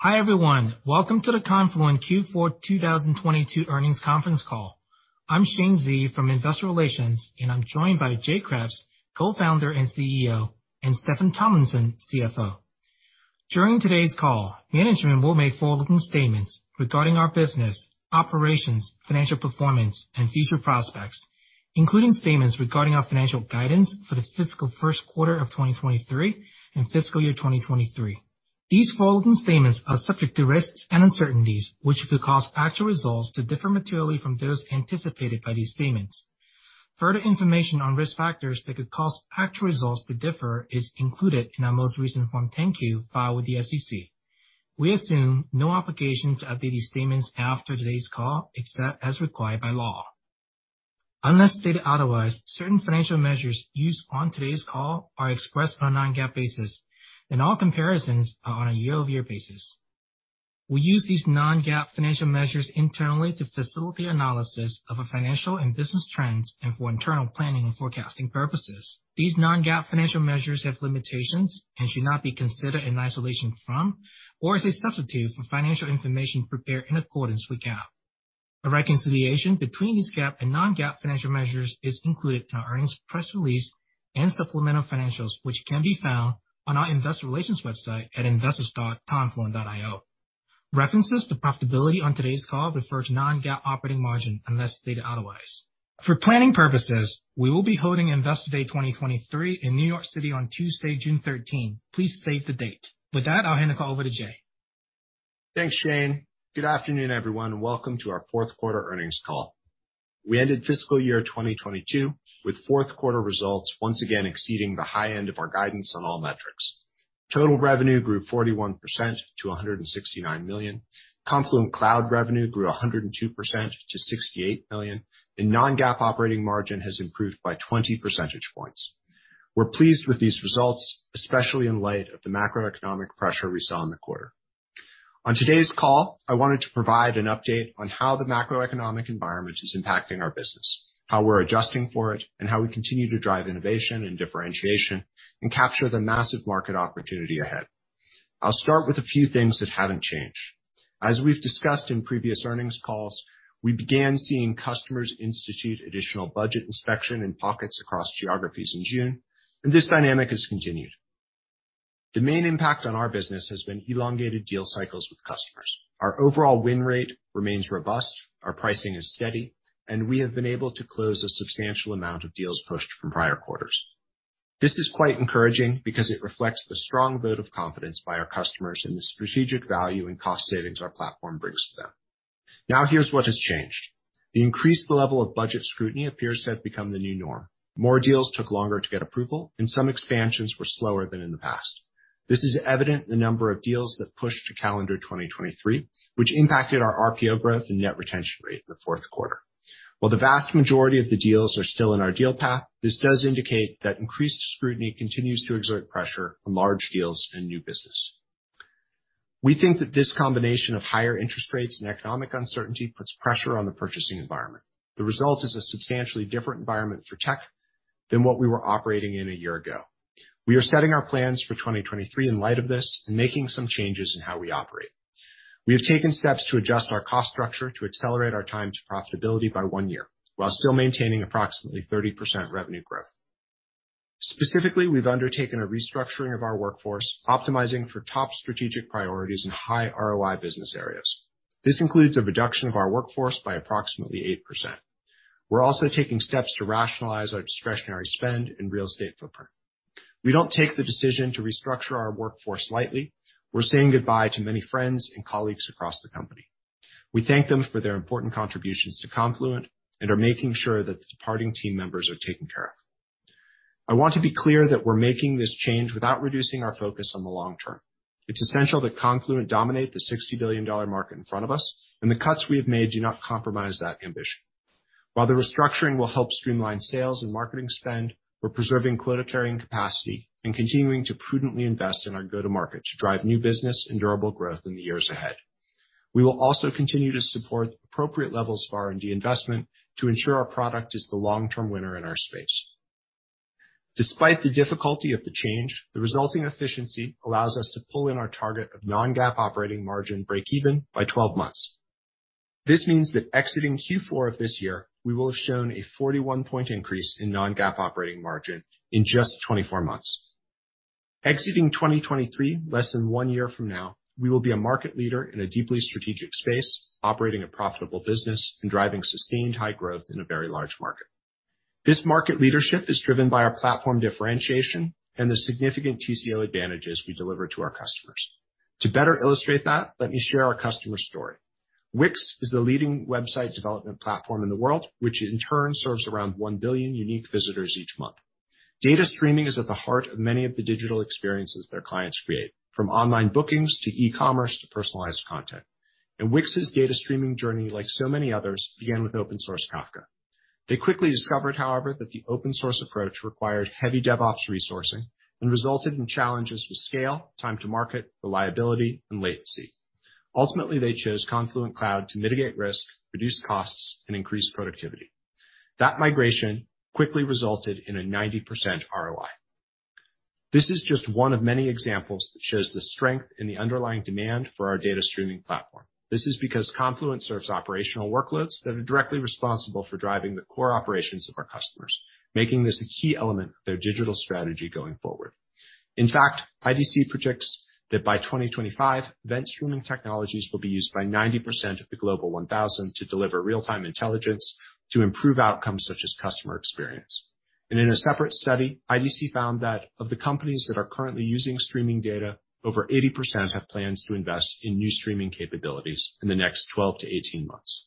Hi, everyone. Welcome to the Confluent Q4 2022 earnings conference call. I'm Shane Xie from Investor Relations, and I'm joined by Jay Kreps, co-founder and CEO, and Steffan Tomlinson, CFO. During today's call, management will make forward-looking statements regarding our business, operations, financial performance, and future prospects, including statements regarding our financial guidance for the fiscal 1st quarter of 2023 and fiscal year 2023. These forward-looking statements are subject to risks and uncertainties, which could cause actual results to differ materially from those anticipated by these statements. Further information on risk factors that could cause actual results to differ is included in our most recent Form 10-K filed with the SEC. We assume no obligation to update these statements after today's call, except as required by law. Unless stated otherwise, certain financial measures used on today's call are expressed on a non-GAAP basis, and all comparisons are on a year-over-year basis. We use these non-GAAP financial measures internally to facilitate analysis of our financial and business trends and for internal planning and forecasting purposes. These non-GAAP financial measures have limitations and should not be considered in isolation from or as a substitute for financial information prepared in accordance with GAAP. A reconciliation between these GAAP and non-GAAP financial measures is included in our earnings press release and supplemental financials, which can be found on our investor relations website at investors.confluent.io. References to profitability on today's call refer to non-GAAP operating margin unless stated otherwise. For planning purposes, we will be holding Investor Day 2023 in New York City on Tuesday, June 13th. Please save the date. With that, I'll hand the call over to Jay. Thanks, Shane. Good afternoon, everyone. Welcome to our fourth quarter earnings call. We ended fiscal year 2022 with fourth quarter results once again exceeding the high end of our guidance on all metrics. Total revenue grew 41% to $169 million. Confluent Cloud revenue grew 102% to $68 million. The non-GAAP operating margin has improved by 20 percentage points. We're pleased with these results, especially in light of the macroeconomic pressure we saw in the quarter. On today's call, I wanted to provide an update on how the macroeconomic environment is impacting our business, how we're adjusting for it, and how we continue to drive innovation and differentiation and capture the massive market opportunity ahead. I'll start with a few things that haven't changed. As we've discussed in previous earnings calls, we began seeing customers institute additional budget inspection in pockets across geographies in June, and this dynamic has continued. The main impact on our business has been elongated deal cycles with customers. Our overall win rate remains robust, our pricing is steady, and we have been able to close a substantial amount of deals pushed from prior quarters. This is quite encouraging because it reflects the strong vote of confidence by our customers in the strategic value and cost savings our platform brings to them. Now, here's what has changed. The increased level of budget scrutiny appears to have become the new norm. More deals took longer to get approval, and some expansions were slower than in the past. This is evident in the number of deals that pushed to calendar 2023, which impacted our RPO growth and net retention rate in the fourth quarter. While the vast majority of the deals are still in our deal path, this does indicate that increased scrutiny continues to exert pressure on large deals and new business. We think that this combination of higher interest rates and economic uncertainty puts pressure on the purchasing environment. The result is a substantially different environment for tech than what we were operating in a year ago. We are setting our plans for 2023 in light of this and making some changes in how we operate. We have taken steps to adjust our cost structure to accelerate our time to profitability by one year while still maintaining approximately 30% revenue growth. Specifically, we've undertaken a restructuring of our workforce, optimizing for top strategic priorities in high ROI business areas. This includes a reduction of our workforce by approximately 8%. We're also taking steps to rationalize our discretionary spend in real estate footprint. We don't take the decision to restructure our workforce lightly. We're saying goodbye to many friends and colleagues across the company. We thank them for their important contributions to Confluent and are making sure that the departing team members are taken care of. I want to be clear that we're making this change without reducing our focus on the long term. It's essential that Confluent dominate the $60 billion market in front of us. The cuts we have made do not compromise that ambition. While the restructuring will help streamline sales and marketing spend, we're preserving quota-carrying capacity and continuing to prudently invest in our go-to-market to drive new business and durable growth in the years ahead. We will also continue to support appropriate levels of R&D investment to ensure our product is the long-term winner in our space. Despite the difficulty of the change, the resulting efficiency allows us to pull in our target of non-GAAP operating margin breakeven by 12 months. This means that exiting Q4 of this year, we will have shown a 41 point increase in non-GAAP operating margin in just 24 months. Exiting 2023, less than one year from now, we will be a market leader in a deeply strategic space, operating a profitable business and driving sustained high growth in a very large market. This market leadership is driven by our platform differentiation and the significant TCO advantages we deliver to our customers. To better illustrate that, let me share our customer story. Wix is the leading website development platform in the world, which in turn serves around 1 billion unique visitors each month. Data streaming is at the heart of many of the digital experiences their clients create, from online bookings to e-commerce to personalized content. Wix's data streaming journey, like so many others, began with open source Kafka. They quickly discovered, however, that the open source approach required heavy DevOps resourcing and resulted in challenges with scale, time to market, reliability, and latency. Ultimately, they chose Confluent Cloud to mitigate risk, reduce costs, and increase productivity. That migration quickly resulted in a 90% ROI. This is just one of many examples that shows the strength in the underlying demand for our data streaming platform. This is because Confluent serves operational workloads that are directly responsible for driving the core operations of our customers, making this a key element of their digital strategy going forward. In fact, IDC projects that by 2025, event streaming technologies will be used by 90% of the Global 1,000 to deliver real-time intelligence to improve outcomes such as customer experience. In a separate study, IDC found that of the companies that are currently using streaming data, over 80% have plans to invest in new streaming capabilities in the next 12 to 18 months.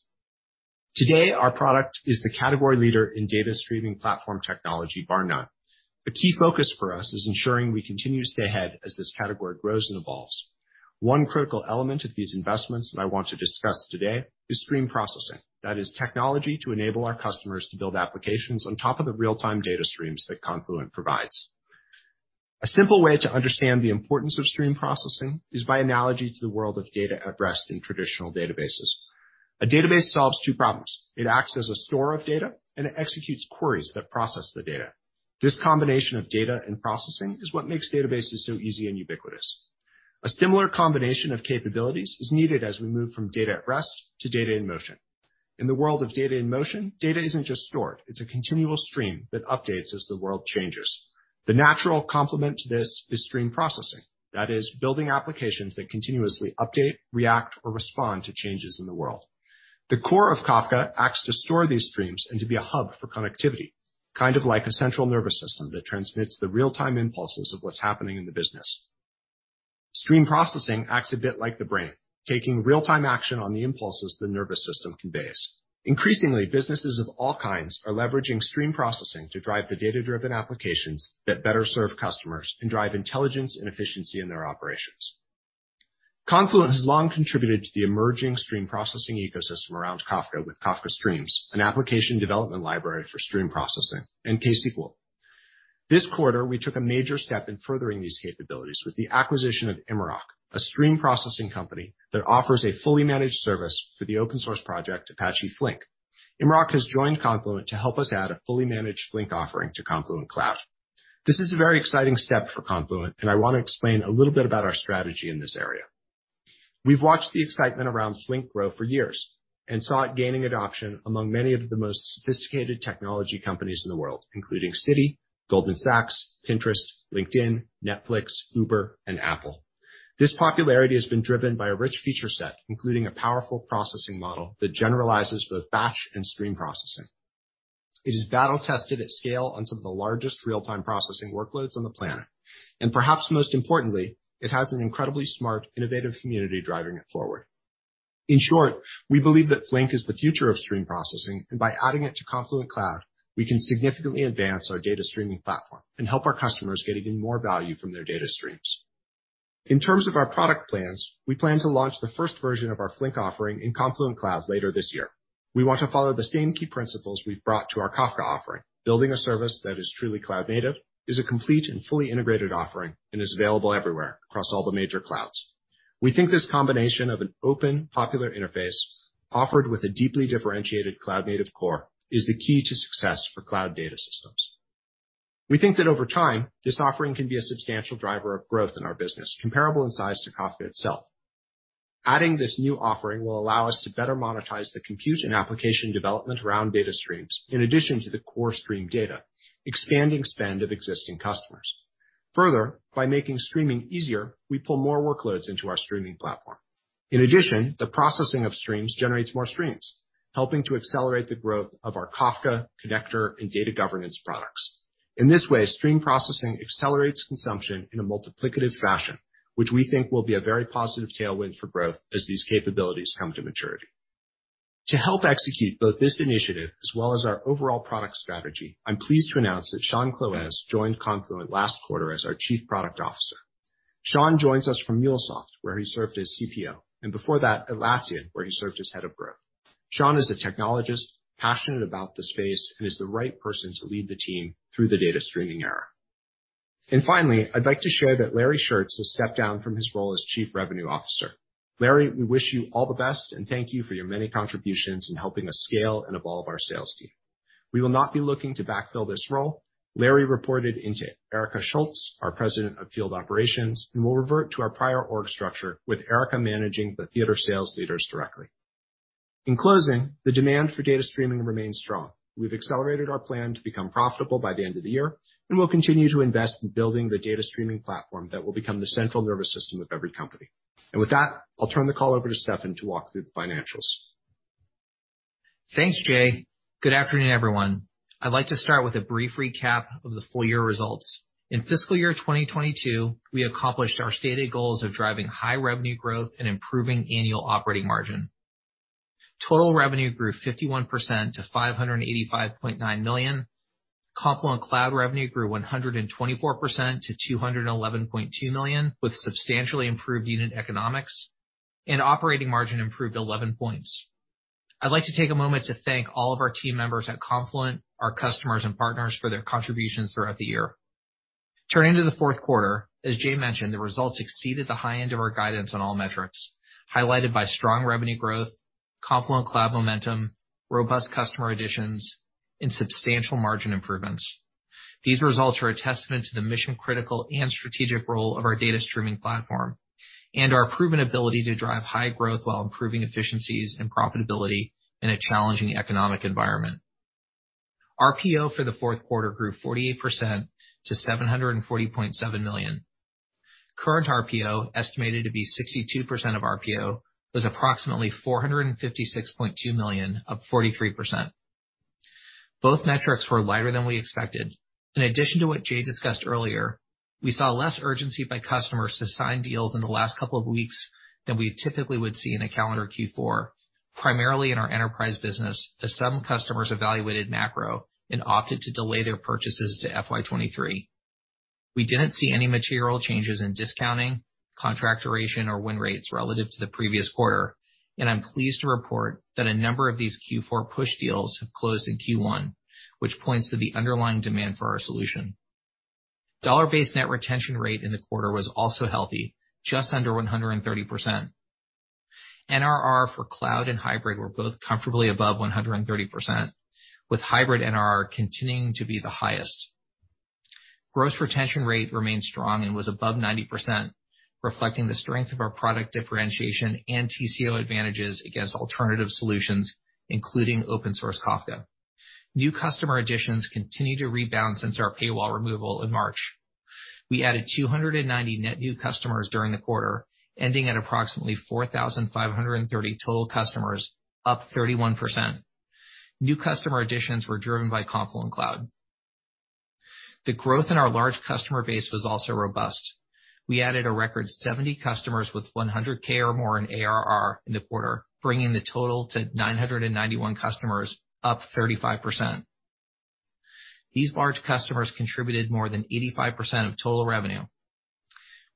Today, our product is the category leader in data streaming platform technology, bar none. The key focus for us is ensuring we continue to stay ahead as this category grows and evolves. One critical element of these investments that I want to discuss today is stream processing. That is technology to enable our customers to build applications on top of the real-time data streams that Confluent provides. A simple way to understand the importance of stream processing is by analogy to the world of data at rest in traditional databases. A database solves two problems. It acts as a store of data, and it executes queries that process the data. This combination of data and processing is what makes databases so easy and ubiquitous. A similar combination of capabilities is needed as we move from data at rest to data in motion. In the world of data in motion, data isn't just stored, it's a continual stream that updates as the world changes. The natural complement to this is stream processing. Building applications that continuously update, react, or respond to changes in the world. The core of Kafka acts to store these streams and to be a hub for connectivity, kind of like a central nervous system that transmits the real-time impulses of what's happening in the business. Stream processing acts a bit like the brain, taking real-time action on the impulses the nervous system conveys. Increasingly, businesses of all kinds are leveraging stream processing to drive the data-driven applications that better serve customers and drive intelligence and efficiency in their operations. Confluent has long contributed to the emerging stream processing ecosystem around Kafka with Kafka Streams, an application development library for stream processing and ksql. This quarter, we took a major step in furthering these capabilities with the acquisition of Immerok, a stream processing company that offers a fully managed service for the open source project, Apache Flink. Immerok has joined Confluent to help us add a fully managed Flink offering to Confluent Cloud. This is a very exciting step for Confluent, and I wanna explain a little bit about our strategy in this area. We've watched the excitement around Flink grow for years, and saw it gaining adoption among many of the most sophisticated technology companies in the world, including Citi, Goldman Sachs, Pinterest, LinkedIn, Netflix, Uber, and Apple. This popularity has been driven by a rich feature set, including a powerful processing model that generalizes both batch and stream processing. It is battle tested at scale on some of the largest real-time processing workloads on the planet. Perhaps most importantly, it has an incredibly smart, innovative community driving it forward. In short, we believe that Flink is the future of stream processing, and by adding it to Confluent Cloud, we can significantly advance our data streaming platform and help our customers get even more value from their data streams. In terms of our product plans, we plan to launch the first version of our Flink offering in Confluent Cloud later this year. We want to follow the same key principles we've brought to our Kafka offering. Building a service that is truly cloud native, is a complete and fully integrated offering, and is available everywhere across all the major clouds. We think this combination of an open, popular interface offered with a deeply differentiated cloud native core is the key to success for cloud data systems. We think that over time, this offering can be a substantial driver of growth in our business, comparable in size to Kafka itself. Adding this new offering will allow us to better monetize the compute and application development around data streams, in addition to the core stream data, expanding spend of existing customers. By making streaming easier, we pull more workloads into our streaming platform. The processing of streams generates more streams, helping to accelerate the growth of our Kafka connector and data governance products. In this way, stream processing accelerates consumption in a multiplicative fashion, which we think will be a very positive tailwind for growth as these capabilities come to maturity. To help execute both this initiative as well as our overall product strategy, I'm pleased to announce that Shaun Clowes joined Confluent last quarter as our Chief Product Officer. Shaun joins us from MuleSoft, where he served as CPO, and before that, Atlassian, where he served as head of growth. Shaun is a technologist, passionate about the space, and is the right person to lead the team through the data streaming era. Finally, I'd like to share that Larry Shurtz has stepped down from his role as Chief Revenue Officer. Larry, we wish you all the best, and thank you for your many contributions in helping us scale and evolve our sales team. We will not be looking to backfill this role. Larry reported into Erica Schultz, our President of Field Operations, and will revert to our prior org structure with Erica managing the theater sales leaders directly. In closing, the demand for data streaming remains strong. We've accelerated our plan to become profitable by the end of the year, and we'll continue to invest in building the data streaming platform that will become the central nervous system of every company. With that, I'll turn the call over to Steffan to walk through the financials. Thanks, Jay. Good afternoon, everyone. I'd like to start with a brief recap of the full year results. In fiscal year 2022, we accomplished our stated goals of driving high revenue growth and improving annual operating margin. Total revenue grew 51% to $585.9 million. Confluent Cloud revenue grew 124% to $211.2 million, with substantially improved unit economics. Operating margin improved 11 points. I'd like to take a moment to thank all of our team members at Confluent, our customers and partners for their contributions throughout the year. Turning to the fourth quarter. As Jay mentioned, the results exceeded the high end of our guidance on all metrics, highlighted by strong revenue growth, Confluent Cloud momentum, robust customer additions, and substantial margin improvements. These results are a testament to the mission-critical and strategic role of our data streaming platform and our proven ability to drive high growth while improving efficiencies and profitability in a challenging economic environment. RPO for the fourth quarter grew 48% to $740.7 million. Current RPO, estimated to be 62% of RPO, was approximately $456.2 million, up 43%. Both metrics were lighter than we expected. In addition to what Jay discussed earlier, we saw less urgency by customers to sign deals in the last couple of weeks than we typically would see in a calendar Q4, primarily in our enterprise business, as some customers evaluated macro and opted to delay their purchases to FY 2023. We didn't see any material changes in discounting, contract duration, or win rates relative to the previous quarter, and I'm pleased to report that a number of these Q4 push deals have closed in Q1, which points to the underlying demand for our solution. Dollar-based net retention rate in the quarter was also healthy, just under 130%. NRR for cloud and hybrid were both comfortably above 130%, with hybrid NRR continuing to be the highest. Gross retention rate remained strong and was above 90%, reflecting the strength of our product differentiation and TCO advantages against alternative solutions, including open source Kafka. New customer additions continue to rebound since our paywall removal in March. We added 290 net new customers during the quarter, ending at approximately 4,530 total customers, up 31%. New customer additions were driven by Confluent Cloud. The growth in our large customer base was also robust. We added a record 70 customers with $100K or more in ARR in the quarter, bringing the total to 991 customers, up 35%. These large customers contributed more than 85% of total revenue.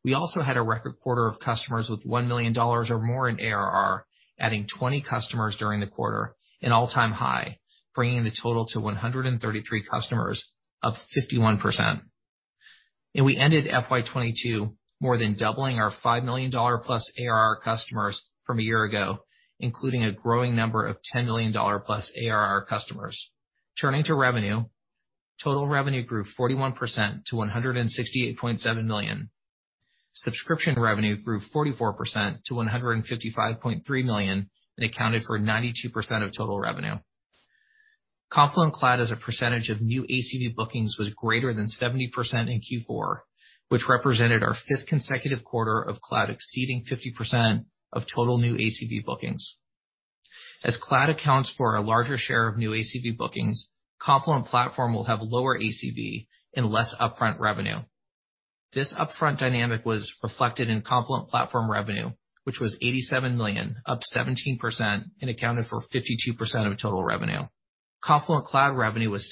We also had a record quarter of customers with $1 million or more in ARR, adding 20 customers during the quarter, an all-time high, bringing the total to 133 customers, up 51%. We ended FY 2022 more than doubling our $5 million-plus ARR customers from a year ago, including a growing number of $10+ million ARR customers. Turning to revenue. Total revenue grew 41% to $168.7 million. Subscription revenue grew 44% to $155.3 million and accounted for 92% of total revenue. Confluent Cloud as a percentage of new ACV bookings was greater than 70% in Q4, which represented our fifth consecutive quarter of cloud exceeding 50% of total new ACV bookings. As cloud accounts for a larger share of new ACV bookings, Confluent Platform will have lower ACV and less upfront revenue. This upfront dynamic was reflected in Confluent Platform revenue, which was $87 million, up 17% and accounted for 52% of total revenue. Confluent Cloud revenue was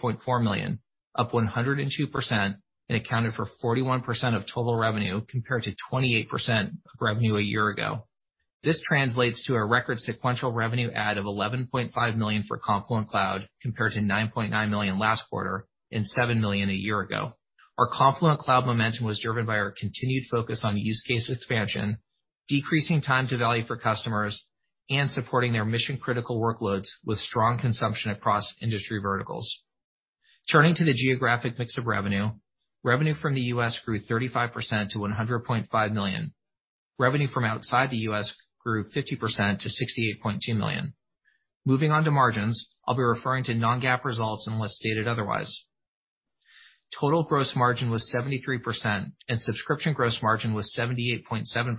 $68.4 million, up 102% and accounted for 41% of total revenue, compared to 28% of revenue a year ago. This translates to a record sequential revenue add of $11.5 million for Confluent Cloud, compared to $9.9 million last quarter and $7 million a year ago. Our Confluent Cloud momentum was driven by our continued focus on use case expansion, decreasing time to value for customers, and supporting their mission-critical workloads with strong consumption across industry verticals. Turning to the geographic mix of revenue. Revenue from the U.S. grew 35% to $100.5 million. Revenue from outside the U.S. grew 50% to $68.2 million. Moving on to margins. I'll be referring to non-GAAP results unless stated otherwise. Total gross margin was 73%, and subscription gross margin was 78.7%.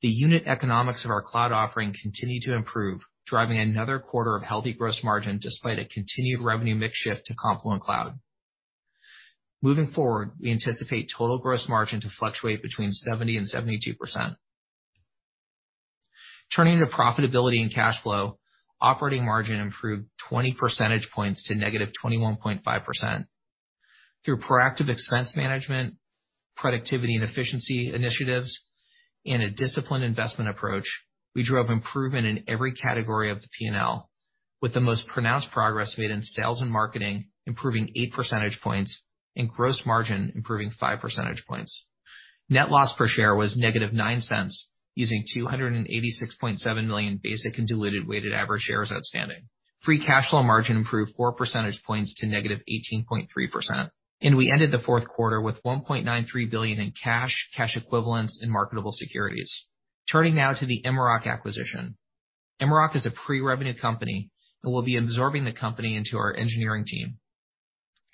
The unit economics of our cloud offering continued to improve, driving another quarter of healthy gross margin despite a continued revenue mix shift to Confluent Cloud. Moving forward, we anticipate total gross margin to fluctuate between 70% and 72%. Turning to profitability and cash flow. Operating margin improved 20 percentage points to -21.5%. Through proactive expense management, productivity and efficiency initiatives, and a disciplined investment approach, we drove improvement in every category of the P&L, with the most pronounced progress made in sales and marketing, improving 8 percentage points, and gross margin improving 5 percentage points. Net loss per share was negative $0.09, using 286.7 million basic and diluted weighted average shares outstanding. Free cash flow margin improved 4 percentage points to -18.3%, and we ended the fourth quarter with $1.93 billion in cash equivalents, and marketable securities. Turning now to the Immerok acquisition. Immerok is a pre-revenue company that will be absorbing the company into our engineering team.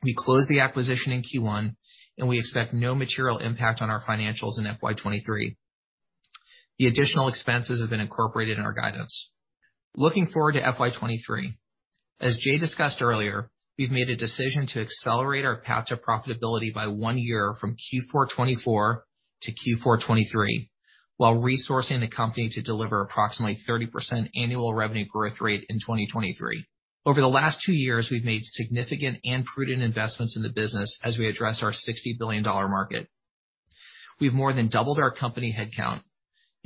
We closed the acquisition in Q1, and we expect no material impact on our financials in FY 2023. The additional expenses have been incorporated in our guidance. Looking forward to FY 2023. As Jay discussed earlier, we've made a decision to accelerate our path to profitability by one year from Q4 2024 to Q4 2023, while resourcing the company to deliver approximately 30% annual revenue growth rate in 2023. Over the last two years, we've made significant and prudent investments in the business as we address our $60 billion market. We've more than doubled our company headcount.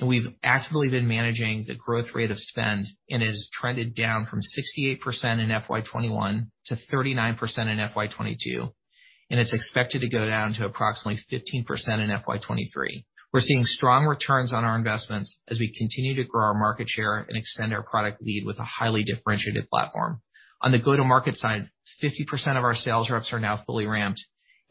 We've actively been managing the growth rate of spend. It has trended down from 68% in FY 2021 to 39% in FY 2022. It's expected to go down to approximately 15% in FY 2023. We're seeing strong returns on our investments as we continue to grow our market share and extend our product lead with a highly differentiated platform. On the go-to-market side, 50% of our sales reps are now fully ramped.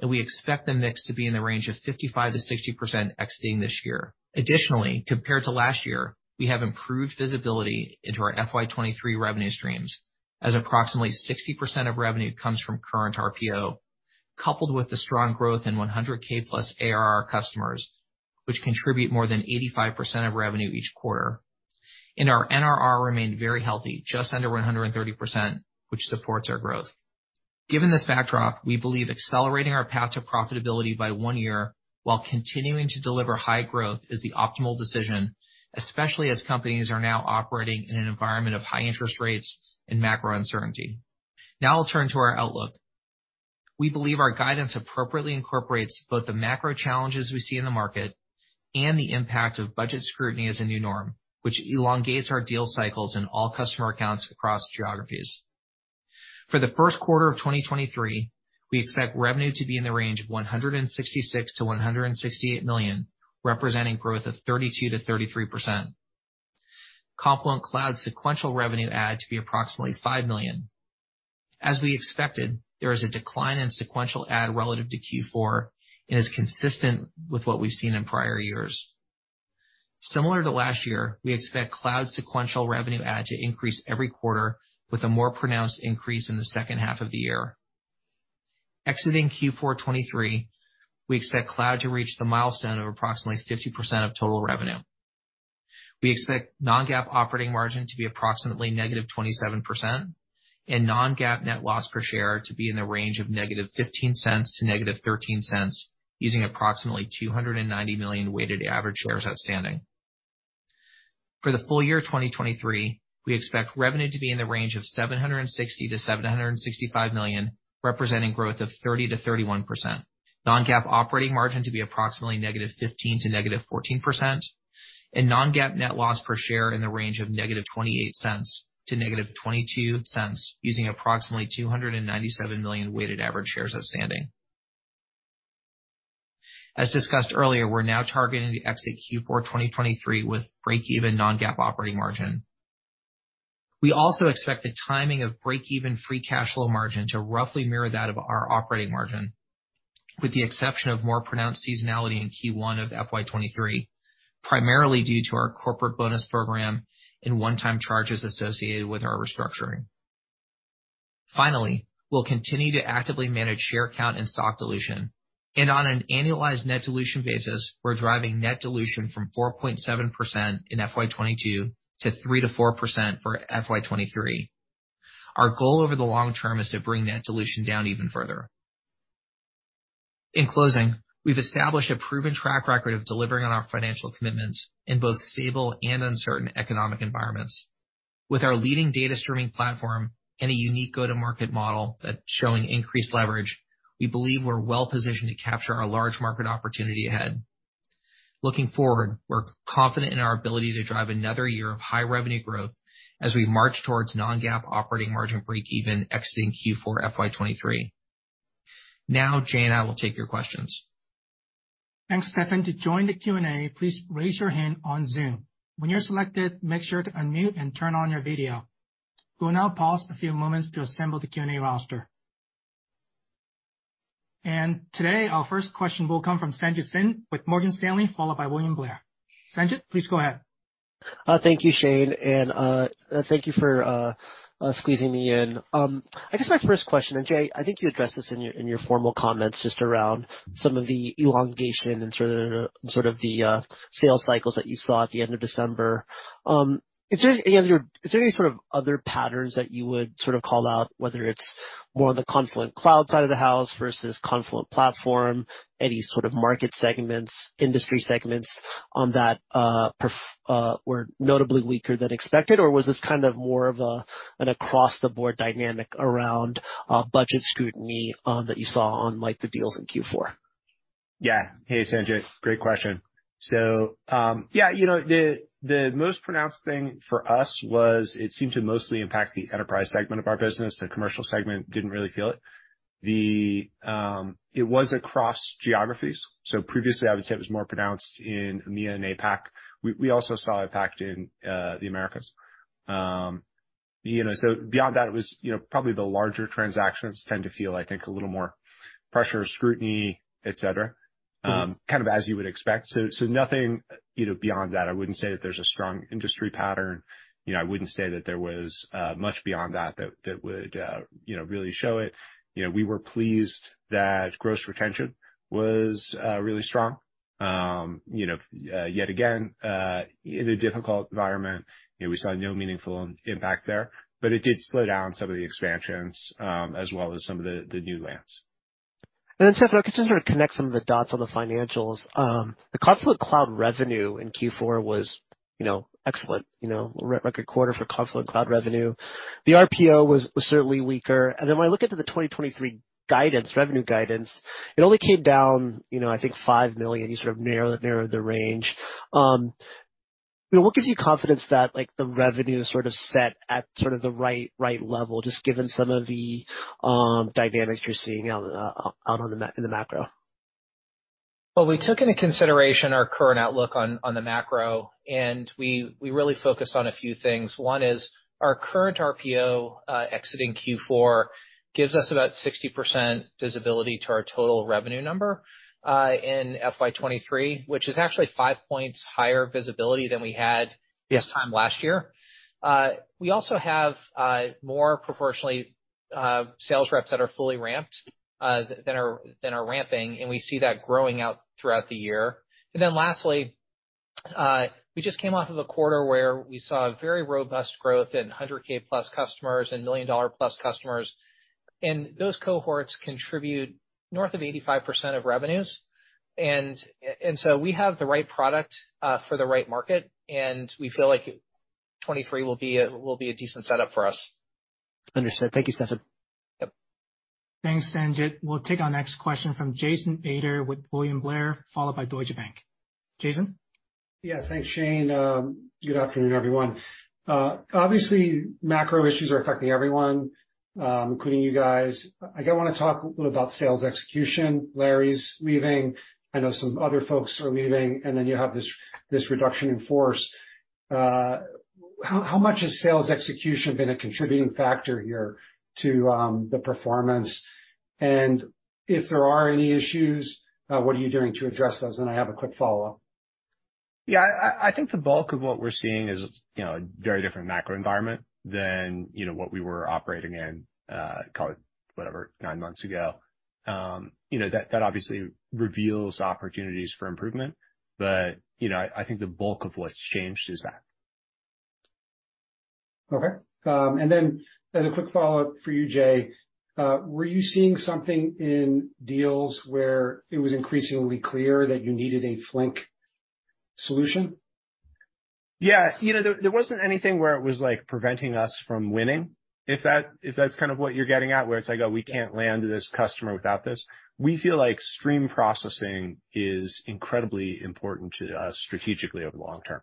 We expect the mix to be in the range of 55%-60% exiting this year. Additionally, compared to last year, we have improved visibility into our FY 2023 revenue streams, as approximately 60% of revenue comes from Current RPO, coupled with the strong growth in 100K+ ARR customers, which contribute more than 85% of revenue each quarter. Our NRR remained very healthy, just under 130%, which supports our growth. Given this backdrop, we believe accelerating our path to profitability by one year while continuing to deliver high growth is the optimal decision, especially as companies are now operating in an environment of high interest rates and macro uncertainty. I'll turn to our outlook. We believe our guidance appropriately incorporates both the macro challenges we see in the market and the impact of budget scrutiny as a new norm, which elongates our deal cycles in all customer accounts across geographies. For the first quarter of 2023, we expect revenue to be in the range of $166 million-$168 million, representing growth of 32%-33%. Confluent Cloud sequential revenue add to be approximately $5 million. As we expected, there is a decline in sequential add relative to Q4 and is consistent with what we've seen in prior years. Similar to last year, we expect cloud sequential revenue add to increase every quarter, with a more pronounced increase in the second half of the year. Exiting Q4 2023, we expect cloud to reach the milestone of approximately 50% of total revenue. We expect non-GAAP operating margin to be approximately -27% and non-GAAP net loss per share to be in the range of -$0.15 to -$0.13, using approximately 290 million weighted average shares outstanding. For the full year 2023, we expect revenue to be in the range of $760 million-$765 million, representing growth of 30%-31%, non-GAAP operating margin to be approximately -15% to -14%, and non-GAAP net loss per share in the range of -$0.28 to -$0.22, using approximately 297 million weighted average shares outstanding. As discussed earlier, we're now targeting the exit Q4 2023 with break-even non-GAAP operating margin. We also expect the timing of break-even free cash flow margin to roughly mirror that of our operating margin, with the exception of more pronounced seasonality in Q1 of FY 2023, primarily due to our corporate bonus program and one-time charges associated with our restructuring. Finally, we'll continue to actively manage share count and stock dilution, and on an annualized net dilution basis, we're driving net dilution from 4.7% in FY 2022 to 3%-4% for FY 2023. Our goal over the long term is to bring net dilution down even further. In closing, we've established a proven track record of delivering on our financial commitments in both stable and uncertain economic environments. With our leading data streaming platform and a unique go-to-market model that's showing increased leverage, we believe we're well-positioned to capture our large market opportunity ahead. Looking forward, we're confident in our ability to drive another year of high revenue growth as we march towards non-GAAP operating margin break even exiting Q4 FY 2023. Now Jay and I will take your questions. Thanks, Steffan. To join the Q&A, please raise your hand on Zoom. When you're selected, make sure to unmute and turn on your video. We'll now pause a few moments to assemble the Q&A roster. Today, our first question will come from Sanjit Singh with Morgan Stanley, followed by William Blair. Sanjit, please go ahead. Thank you, Shane. Thank you for squeezing me in. I guess my first question, and Jay, I think you addressed this in your, in your formal comments just around some of the elongation and sort of the sales cycles that you saw at the end of December. Is there any sort of other patterns that you would sort of call out, whether it's more on the Confluent Cloud side of the house versus Confluent Platform? Any sort of market segments, industry segments on that were notably weaker than expected? Or was this kind of more of an across-the-board dynamic around budget scrutiny that you saw on, like, the deals in Q4? Yeah. Hey, Sanjit. Great question. Yeah, you know, the most pronounced thing for us was it seemed to mostly impact the enterprise segment of our business. The commercial segment didn't really feel it. It was across geographies, so previously I would say it was more pronounced in EMEA and APAC. We also saw it impact in the Americas. You know, so beyond that, it was, you know, probably the larger transactions tend to feel, I think, a little more pressure, scrutiny, et cetera, kind of as you would expect. Nothing, you know, beyond that. I wouldn't say that there's a strong industry pattern. You know, I wouldn't say that there was much beyond that that would, you know, really show it. You know, we were pleased that gross retention was really strong, you know, yet again, in a difficult environment. You know, we saw no meaningful impact there. It did slow down some of the expansions, as well as some of the new lands. Steffan, if I could just sort of connect some of the dots on the financials. The Confluent Cloud revenue in Q4. You know, excellent, you know, re-record quarter for Confluent Cloud revenue. The RPO was certainly weaker. When I look at to the 2023 guidance, revenue guidance, it only came down, you know, I think $5 million. You sort of narrowed the range. You know, what gives you confidence that, like, the revenue is sort of set at sort of the right level, just given some of the dynamics you're seeing out on the macro? Well, we took into consideration our current outlook on the macro, we really focused on a few things. One is our current RPO exiting Q4 gives us about 60% visibility to our total revenue number in FY23, which is actually five points higher visibility than we had- Yes. This time last year. We also have more proportionally sales reps that are fully ramped, that are ramping, and we see that growing out throughout the year. Lastly, we just came off of a quarter where we saw a very robust growth in 100K-plus customers and $1+ million customers. Those cohorts contribute north of 85% of revenues. We have the right product for the right market, and we feel like 2023 will be a decent setup for us. Understood. Thank you, Steffan. Yep. Thanks, Sanjit. We'll take our next question from Jason Ader with William Blair, followed by Deutsche Bank. Jason? Yeah. Thanks, Shane. Good afternoon, everyone. Obviously, macro issues are affecting everyone, including you guys. I wanna talk a little about sales execution. Larry's leaving, I know some other folks are leaving, and then you have this reduction in force. How much has sales execution been a contributing factor here to the performance? If there are any issues, what are you doing to address those? I have a quick follow-up. Yeah. I think the bulk of what we're seeing is, you know, a very different macro environment than, you know, what we were operating in, call it whatever, nine months ago. You know, that obviously reveals opportunities for improvement. You know, I think the bulk of what's changed is that. Okay. As a quick follow-up for you, Jay, were you seeing something in deals where it was increasingly clear that you needed a Flink solution? You know, there wasn't anything where it was, like, preventing us from winning, if that's kind of what you're getting at, where it's like, oh, we can't land this customer without this. We feel like stream processing is incredibly important to us strategically over the long term.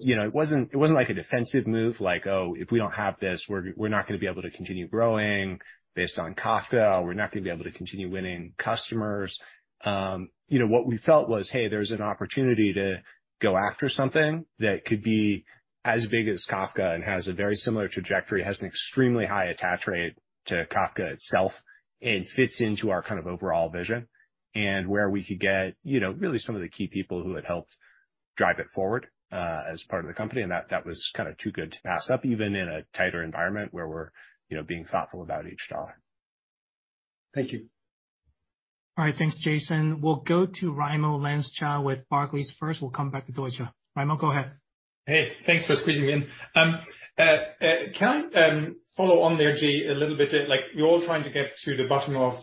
You know, it wasn't like a defensive move, like, oh, if we don't have this, we're not gonna be able to continue growing based on Kafka. We're not gonna be able to continue winning customers. You know, what we felt was, hey, there's an opportunity to go after something that could be as big as Kafka and has a very similar trajectory, has an extremely high attach rate to Kafka itself, and fits into our kind of overall vision. where we could get, you know, really some of the key people who had helped drive it forward, as part of the company, and that was kinda too good to pass up, even in a tighter environment where we're, you know, being thoughtful about each dollar. Thank you. All right. Thanks, Jason. We'll go to Raimo Lenschow with Barclays first, we'll come back to Deutsche. Raimo, go ahead. Hey, thanks for squeezing me in. Can I follow on there, Jay, a little bit? Like, we're all trying to get to the bottom of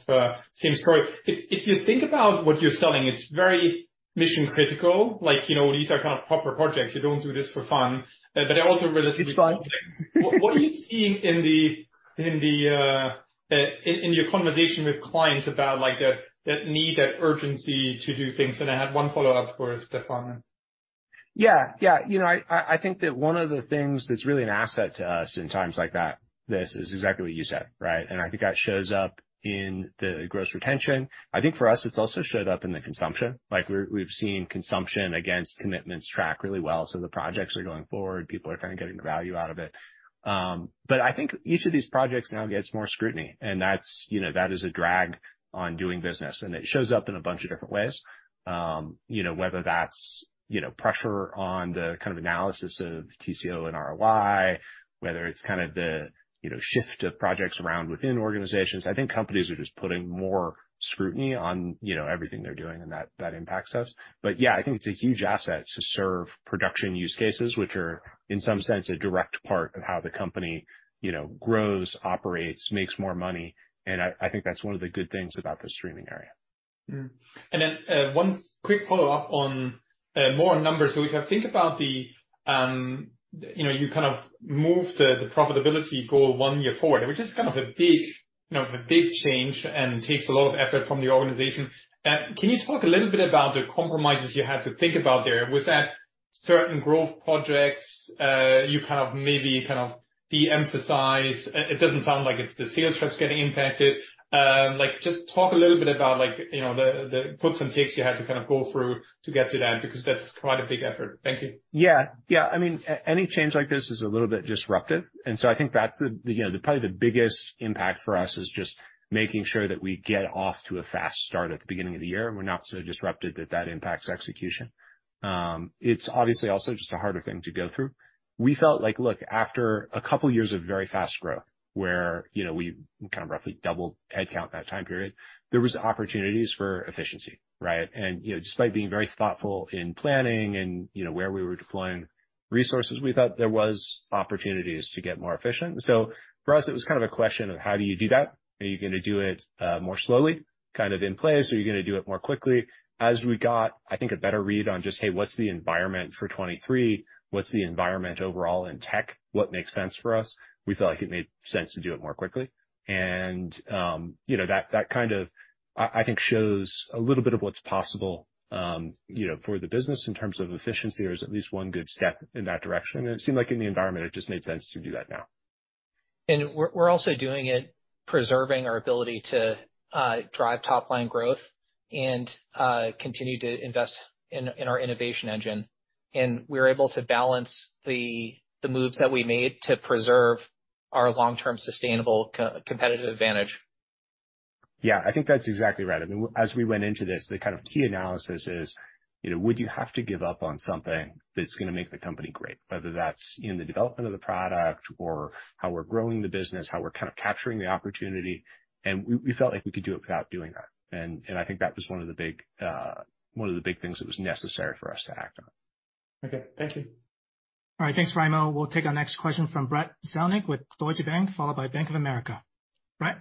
same story. If you think about what you're selling, it's very mission-critical. Like, you know, these are kind of proper projects. You don't do this for fun. They're also relatively- It's fun. What are you seeing in the, in your conversation with clients about, like, that need, that urgency to do things? I have one follow-up for Steffan. Yeah. Yeah. You know, I think that one of the things that's really an asset to us in times like that, this, is exactly what you said, right? I think that shows up in the gross retention. I think for us, it's also showed up in the consumption. Like we've seen consumption against commitments track really well, so the projects are going forward. People are kind of getting the value out of it. I think each of these projects now gets more scrutiny, and that's, you know, that is a drag on doing business, and it shows up in a bunch of different ways. You know, whether that's, you know, pressure on the kind of analysis of TCO and ROI, whether it's kind of the, you know, shift of projects around within organizations. I think companies are just putting more scrutiny on, you know, everything they're doing, and that impacts us. Yeah, I think it's a huge asset to serve production use cases, which are, in some sense, a direct part of how the company, you know, grows, operates, makes more money, and I think that's one of the good things about the streaming area. One quick follow-up on more on numbers. If I think about the, you know, you kind of moved the profitability goal one year forward, which is kind of a big, you know, a big change and takes a lot of effort from the organization. Can you talk a little bit about the compromises you had to think about there? Was that certain growth projects, you kind of maybe de-emphasized? It doesn't sound like it's the sales reps getting impacted. Like, just talk a little bit about like, you know, the puts and takes you had to kind of go through to get to that, because that's quite a big effort. Thank you. Yeah. Yeah. I mean, any change like this is a little bit disruptive, and so I think that's the, you know, probably the biggest impact for us, is just making sure that we get off to a fast start at the beginning of the year, and we're not so disrupted that that impacts execution. It's obviously also just a harder thing to go through. We felt like, look, after a couple years of very fast growth where, you know, we kind of roughly doubled head count that time period, there was opportunities for efficiency, right? You know, despite being very thoughtful in planning and, you know, where we were deploying resources, we thought there was opportunities to get more efficient. For us, it was kind of a question of how do you do that? Are you gonna do it more slowly, kind of in place? Are you gonna do it more quickly? As we got, I think, a better read on just, hey, what's the environment for 2023, what's the environment overall in tech, what makes sense for us, we felt like it made sense to do it more quickly. You know, that kind of, I think shows a little bit of what's possible, you know, for the business in terms of efficiency, or is at least one good step in that direction. It seemed like in the environment it just made sense to do that now. We're also doing it preserving our ability to drive top line growth and continue to invest in our innovation engine. We're able to balance the moves that we made to preserve our long-term sustainable core competitive advantage. Yeah. I think that's exactly right. I mean, as we went into this, the kind of key analysis is, you know, would you have to give up on something that's gonna make the company great, whether that's in the development of the product or how we're growing the business, how we're kind of capturing the opportunity, and we felt like we could do it without doing that. I think that was one of the big things that was necessary for us to act on. Okay. Thank you. All right, thanks, Raimo. We'll take our next question from Brad Zelnick with Deutsche Bank, followed by Bank of America. Brad?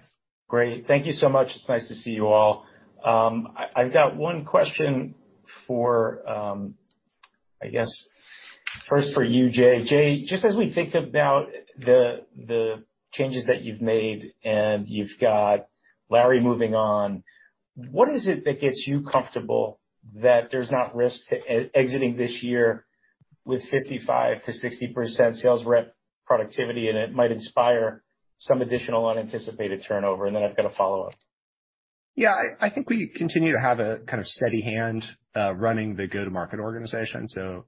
Great. Thank you so much. It's nice to see you all. I've got one question for, I guess first for you, Jay. Jay, just as we think about the changes that you've made, and you've got Larry moving on, what is it that gets you comfortable that there's not risk to exiting this year with 55%-60% sales rep productivity, and it might inspire some additional unanticipated turnover? Then I've got a follow-up. I think we continue to have a kind of steady hand running the go-to-market organization.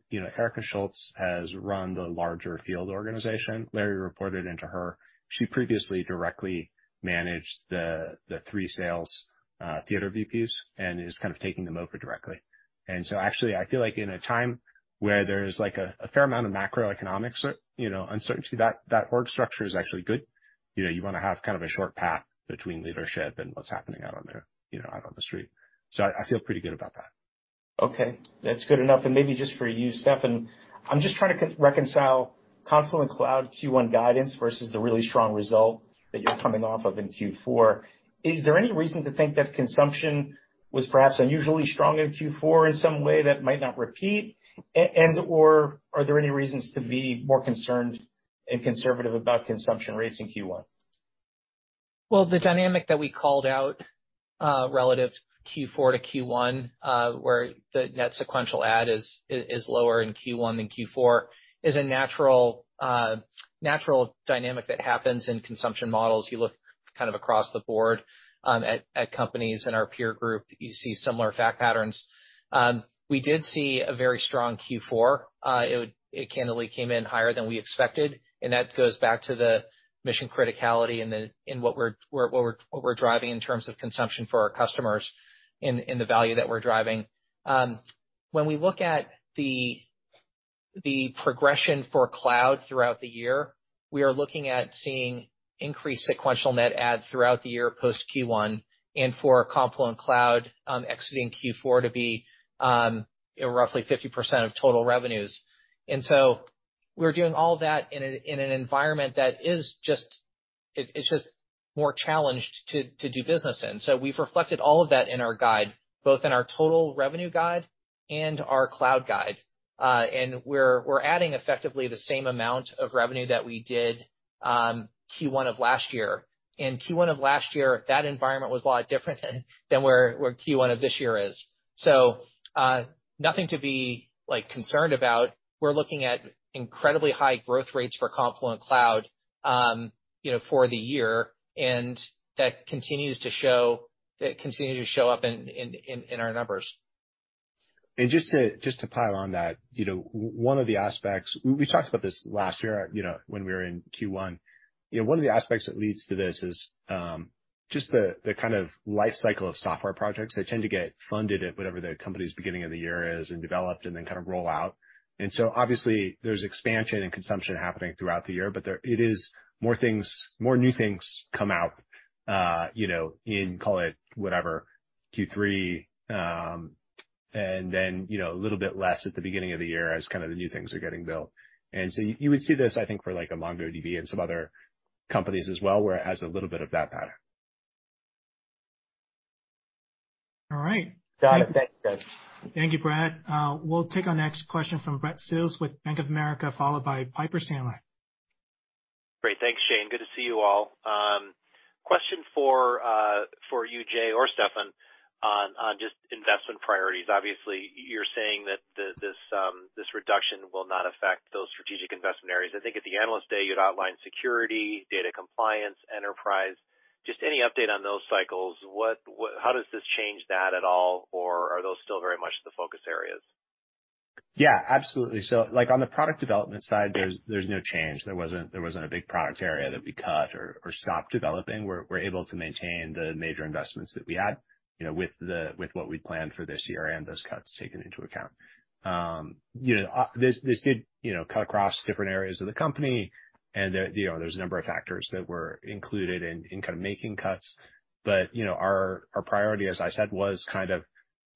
You know, Erica Schultz has run the larger field organization. Larry reported into her. She previously directly managed the three sales theater VPs and is kind of taking them over directly. Actually I feel like in a time where there's like a fair amount of macroeconomics, you know, uncertainty, that org structure is actually good. You know, you wanna have kind of a short path between leadership and what's happening out on the street. I feel pretty good about that. Okay. That's good enough. Maybe just for you, Steffan, I'm just trying to reconcile Confluent Cloud Q1 guidance versus the really strong result that you're coming off of in Q4. Is there any reason to think that consumption was perhaps unusually strong in Q4 in some way that might not repeat, and/or are there any reasons to be more concerned and conservative about consumption rates in Q1? Well, the dynamic that we called out, relative to Q4 to Q1, where the net sequential ad is lower in Q1 than Q4 is a natural dynamic that happens in consumption models. You look kind of across the board, at companies in our peer group, you see similar fact patterns. We did see a very strong Q4. It candidly came in higher than we expected, and that goes back to the mission criticality and the in what we're driving in terms of consumption for our customers and the value that we're driving. When we look at the progression for cloud throughout the year, we are looking at seeing increased sequential net ads throughout the year post Q1, and for Confluent Cloud, exiting Q4 to be, you know, roughly 50% of total revenues. We're doing all that in an environment that is just, it's just more challenged to do business in. We've reflected all of that in our guide, both in our total revenue guide and our cloud guide. We're adding effectively the same amount of revenue that we did, Q1 of last year. In Q1 of last year, that environment was a lot different than where Q1 of this year is. Nothing to be, like, concerned about. We're looking at incredibly high growth rates for Confluent Cloud, you know, for the year. That continues to show up in our numbers. Just to pile on that, you know, one of the aspects we talked about this last year, you know, when we were in Q1. You know, one of the aspects that leads to this is just the kind of life cycle of software projects. They tend to get funded at whatever the company's beginning of the year is and developed and then kind of roll out. So obviously there's expansion and consumption happening throughout the year, but there it is more things, more new things come out, you know, in call it whatever, Q3, and then you know, a little bit less at the beginning of the year as kind of the new things are getting built. You would see this, I think, for like a MongoDB and some other companies as well, where it has a little bit of that pattern. All right. Got it. Thank you, guys. Thank you, Brad. We'll take our next question from Brad Sills with Bank of America, followed by Piper Sandler. Great. Thanks, Shane Xie. Good to see you all. Question for you, Jay Kreps or Steffan Tomlinson, on just investment priorities. Obviously, you're saying that the, this reduction will not affect those strategic investment areas. I think at the Analyst Day, you'd outlined security, data compliance, enterprise. Just any update on those cycles, what -- how does this change that at all, or are those still very much the focus areas? Yeah, absolutely. Like, on the product development side, there's no change. There wasn't a big product area that we cut or stopped developing. We're able to maintain the major investments that we had, you know, with what we planned for this year and those cuts taken into account. You know, this did, you know, cut across different areas of the company. There, you know, there's a number of factors that were included in kind of making cuts. You know, our priority, as I said, was kind of,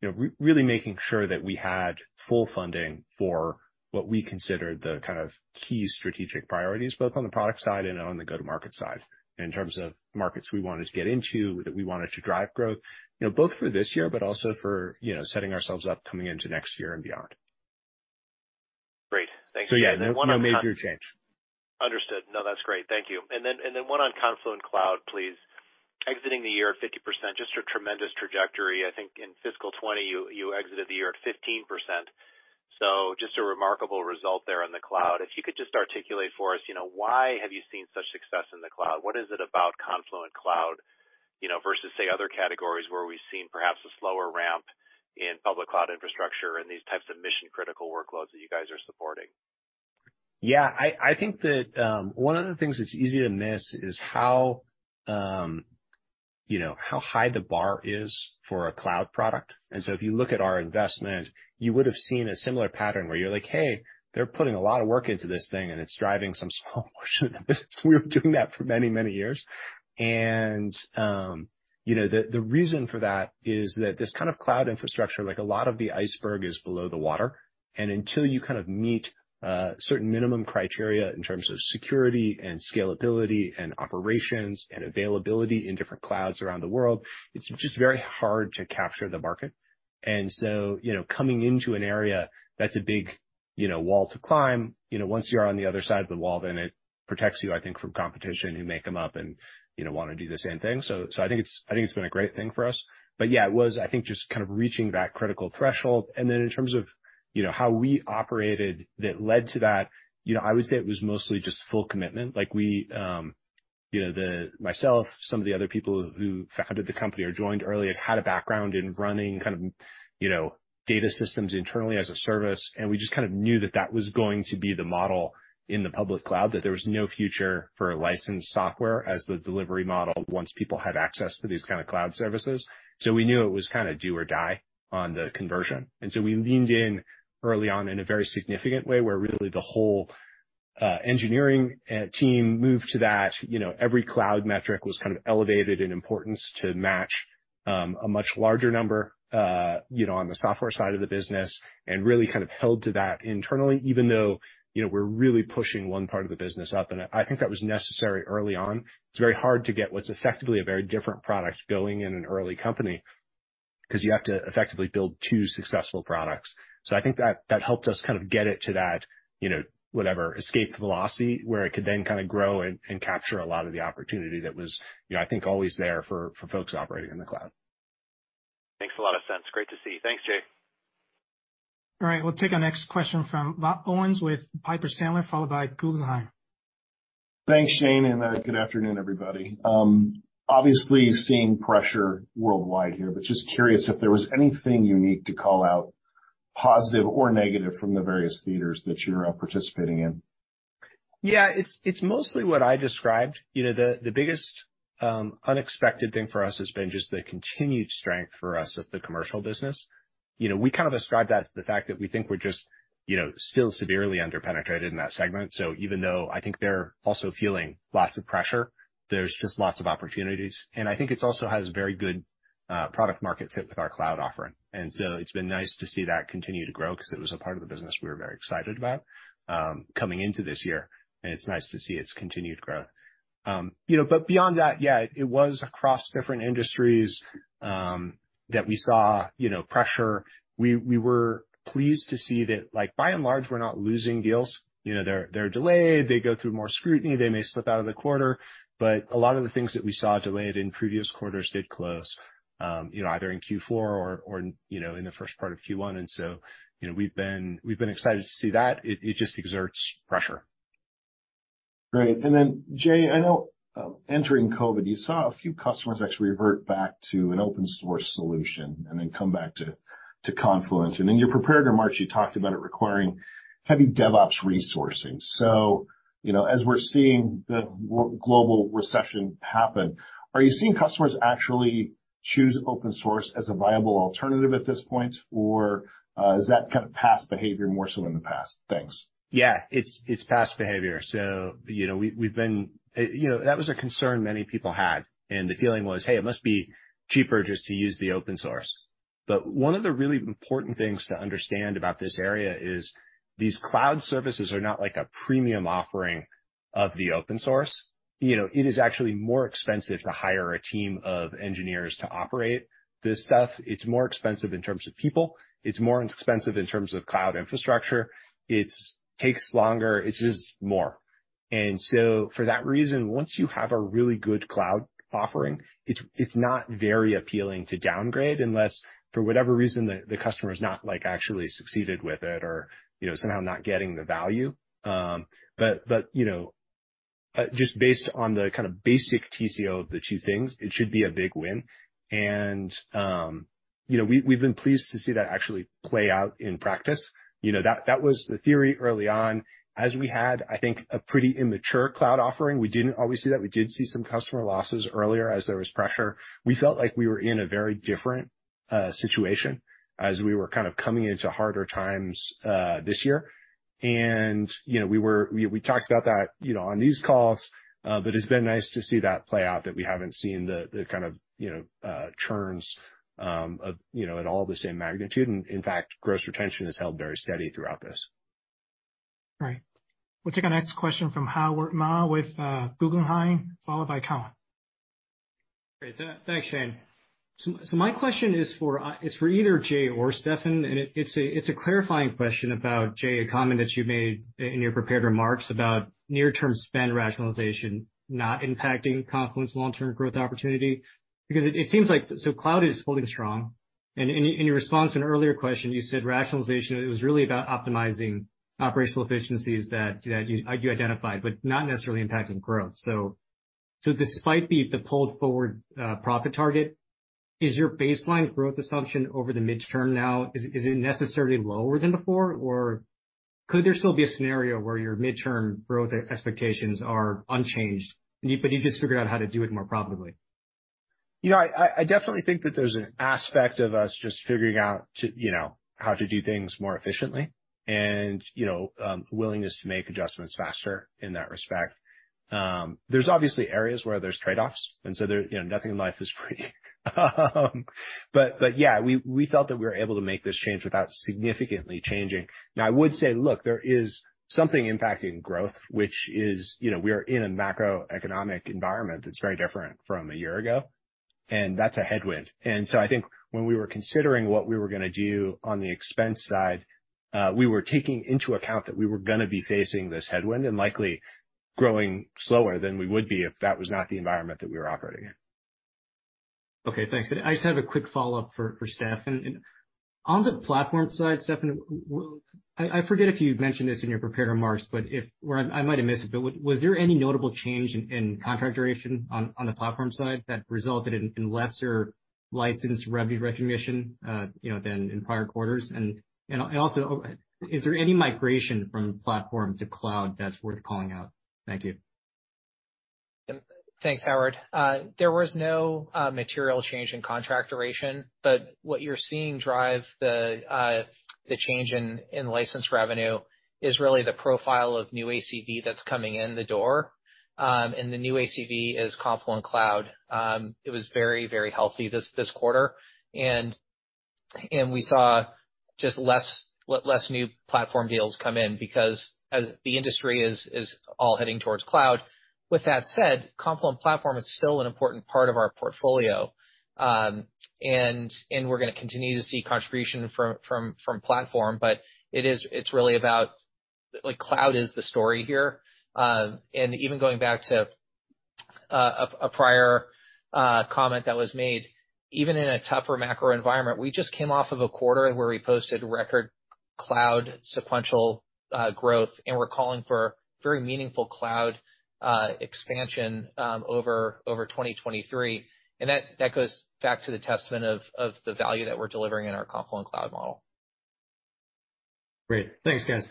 you know, really making sure that we had full funding for what we considered the kind of key strategic priorities, both on the product side and on the go-to-market side, in terms of markets we wanted to get into, that we wanted to drive growth, you know, both for this year, but also for, you know, setting ourselves up coming into next year and beyond. Great. Thank you. Yeah, no major change. Understood. No, that's great. Thank you. Then, then one on Confluent Cloud, please. Exiting the year at 50%, just a tremendous trajectory. I think in fiscal 2020, you exited the year at 15%. Just a remarkable result there on the cloud. If you could just articulate for us, you know, why have you seen such success in the cloud? What is it about Confluent Cloud, you know, versus, say, other categories where we've seen perhaps a slower ramp in public cloud infrastructure and these types of mission-critical workloads that you guys are supporting? Yeah, I think that, one of the things that's easy to miss is how, you know, how high the bar is for a cloud product. If you look at our investment, you would've seen a similar pattern where you're like, "Hey, they're putting a lot of work into this thing, and it's driving some small portion of the business." We were doing that for many, many years. You know, the reason for that is that this kind of cloud infrastructure, like a lot of the iceberg, is below the water. Until you kind of meet, certain minimum criteria in terms of security and scalability and operations and availability in different clouds around the world, it's just very hard to capture the market. You know, coming into an area that's a big, you know, wall to climb, you know, once you're on the other side of the wall, then it protects you, I think, from competition who may come up and, you know, wanna do the same thing. I think it's, I think it's been a great thing for us. Yeah, it was, I think, just kind of reaching that critical threshold. In terms of, you know, how we operated that led to that, you know, I would say it was mostly just full commitment. Like, we, you know, myself, some of the other people who founded the company or joined early have had a background in running kind of, you know, data systems internally as a service, and we just kind of knew that that was going to be the model in the public cloud, that there was no future for a licensed software as the delivery model once people had access to these kinda cloud services. We knew it was kinda do or die on the conversion. We leaned in early on in a very significant way, where really the whole engineering team moved to that. You know, every cloud metric was kind of elevated in importance to match, a much larger number, you know, on the software side of the business, and really kind of held to that internally, even though, you know, we're really pushing one part of the business up. I think that was necessary early on. It's very hard to get what's effectively a very different product going in an early company, 'cause you have to effectively build two successful products. I think that helped us kind of get it to that, you know, whatever, escape velocity, where it could then kinda grow and capture a lot of the opportunity that was, you know, I think, always there for folks operating in the cloud. Makes a lot of sense. Great to see. Thanks, Jay. All right, we'll take our next question from Rob Owens with Piper Sandler, followed by Guggenheim. Thanks, Shane, and good afternoon, everybody. Obviously seeing pressure worldwide here, but just curious if there was anything you need to call out, positive or negative, from the various theaters that you're participating in. Yeah, it's mostly what I described. You know, the biggest unexpected thing for us has been just the continued strength for us at the commercial business. You know, we kind of ascribe that to the fact that we think we're just, you know, still severely under-penetrated in that segment. Even though I think they're also feeling lots of pressure, there's just lots of opportunities. I think it's also has very good product market fit with our cloud offering. It's been nice to see that continue to grow, 'cause it was a part of the business we were very excited about coming into this year, and it's nice to see its continued growth. You know, beyond that, yeah, it was across different industries that we saw, you know, pressure. We were pleased to see that, like, by and large, we're not losing deals. You know, they're delayed, they go through more scrutiny, they may slip out of the quarter, but a lot of the things that we saw delayed in previous quarters did close, you know, either in Q4 or, you know, in the first part of Q1. You know, we've been excited to see that. It just exerts pressure. Great. Jay, I know, entering COVID, you saw a few customers actually revert back to an open source solution and then come back to Confluent. In your prepared remarks, you talked about it requiring heavy DevOps resourcing. You know, as we're seeing the global recession happen, are you seeing customers actually choose open source as a viable alternative at this point? Is that kind of past behavior more so in the past? Thanks. Yeah. It's past behavior. You know, we've been. You know, that was a concern many people had, and the feeling was, "Hey, it must be cheaper just to use the open source." One of the really important things to understand about this area is these cloud services are not like a premium offering of the open source. You know, it is actually more expensive to hire a team of engineers to operate this stuff. It's more expensive in terms of people. It's more expensive in terms of cloud infrastructure. It's takes longer. It's just more. For that reason, once you have a really good cloud offering, it's not very appealing to downgrade unless, for whatever reason, the customer's not, like, actually succeeded with it or, you know, somehow not getting the value. You know, just based on the kind of basic TCO of the two things, it should be a big win. You know, we've been pleased to see that actually play out in practice. You know, that was the theory early on. As we had, I think, a pretty immature cloud offering, we didn't always see that. We did see some customer losses earlier as there was pressure. We felt like we were in a very different situation as we were kind of coming into harder times this year. You know, we talked about that, you know, on these calls, it's been nice to see that play out, that we haven't seen the kind of, you know, churns of, you know, at all the same magnitude. In fact, gross retention has held very steady throughout this. All right. We'll take our next question from Howard Ma with Guggenheim, followed by Cowen. Great. Thanks, Shane. My question is for, it's for either Jay or Steffan, and it's a clarifying question about, Jay, a comment that you made in your prepared remarks about near-term spend rationalization not impacting Confluent's long-term growth opportunity. It seems like cloud is holding strong, and in your response to an earlier question, you said rationalization, it was really about optimizing operational efficiencies that you identified, but not necessarily impacting growth. Despite the pulled forward profit target, is your baseline growth assumption over the midterm now, is it necessarily lower than before? Or could there still be a scenario where your midterm growth expectations are unchanged, you just figured out how to do it more profitably? You know, I definitely think that there's an aspect of us just figuring out to, you know, how to do things more efficiently and, you know, willingness to make adjustments faster in that respect. There's obviously areas where there's trade-offs, there, you know, nothing in life is free. Yeah, we felt that we were able to make this change without significantly changing. Now, I would say, look, there is something impacting growth, which is, you know, we are in a macroeconomic environment that's very different from a year ago, and that's a headwind. I think when we were considering what we were gonna do on the expense side, we were taking into account that we were gonna be facing this headwind and likely growing slower than we would be if that was not the environment that we were operating in. Okay, thanks. I just have a quick follow-up for Steffan. On the Platform side, Steffan, I forget if you mentioned this in your prepared remarks, or I might have missed it, but was there any notable change in contract duration on the Platform side that resulted in lesser licensed revenue recognition, you know, than in prior quarters? Also, is there any migration from Platform to Cloud that's worth calling out? Thank you. Thanks, Howard. there was no material change in contract duration, but what you're seeing drive the change in licensed revenue is really the profile of new ACV that's coming in the door, and the new ACV is Confluent Cloud. it was very healthy this quarter. We saw just less new Platform deals come in because as the industry is all heading towards cloud. With that said, Confluent Platform is still an important part of our portfolio, and we're gonna continue to see contribution from Platform, but it's really about, like, cloud is the story here. Even going back to a prior comment that was made, even in a tougher macro environment, we just came off of a quarter where we posted record cloud sequential growth, and we're calling for very meaningful cloud expansion over 2023. That goes back to the testament of the value that we're delivering in our Confluent Cloud model. Great. Thanks, guys.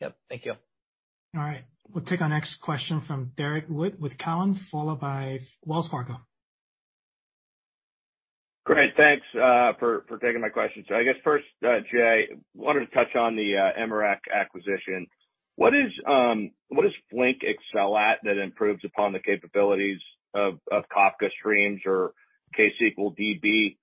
Yep, thank you. All right. We'll take our next question from Derrick Wood with Cowen, followed by Wells Fargo. Great. Thanks for taking my question. I guess first, Jay, wanted to touch on the Immerok acquisition. What does Flink excel at that improves upon the capabilities of Kafka Streams or ksqlDB?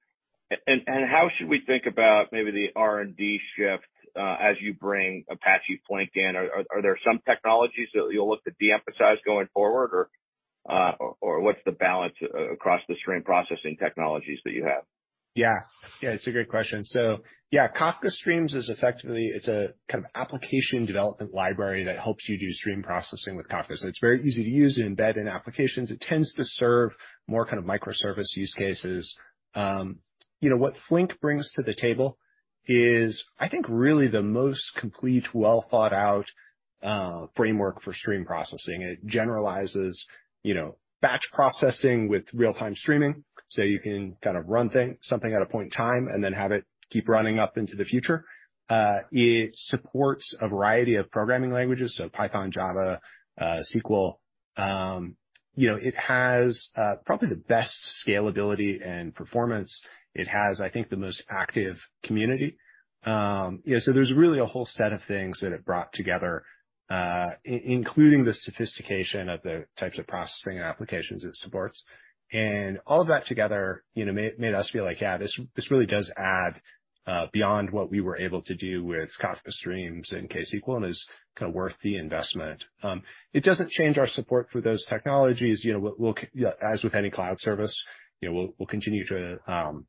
And how should we think about maybe the R&D shift as you bring Apache Flink in? Are there some technologies that you'll look to de-emphasize going forward? Or what's the balance across the stream processing technologies that you have? Yeah. Yeah, it's a great question. Yeah, Kafka Streams is effectively, it's a kind of application development library that helps you do stream processing with Kafka. It's very easy to use and embed in applications. It tends to serve more kind of microservice use cases. You know, what Flink brings to the table is, I think, really the most complete, well-thought-out framework for stream processing. It generalizes, you know, batch processing with real-time streaming, so you can kind of run something at a point in time and then have it keep running up into the future. It supports a variety of programming languages, so Python, Java, SQL. You know, it has probably the best scalability and performance. It has, I think, the most active community. You know, there's really a whole set of things that it brought together, including the sophistication of the types of processing and applications it supports. All of that together, you know, made us feel like, yeah, this really does add beyond what we were able to do with Kafka Streams and ksql and is kind of worth the investment. It doesn't change our support for those technologies. You know, as with any cloud service, you know, we'll continue to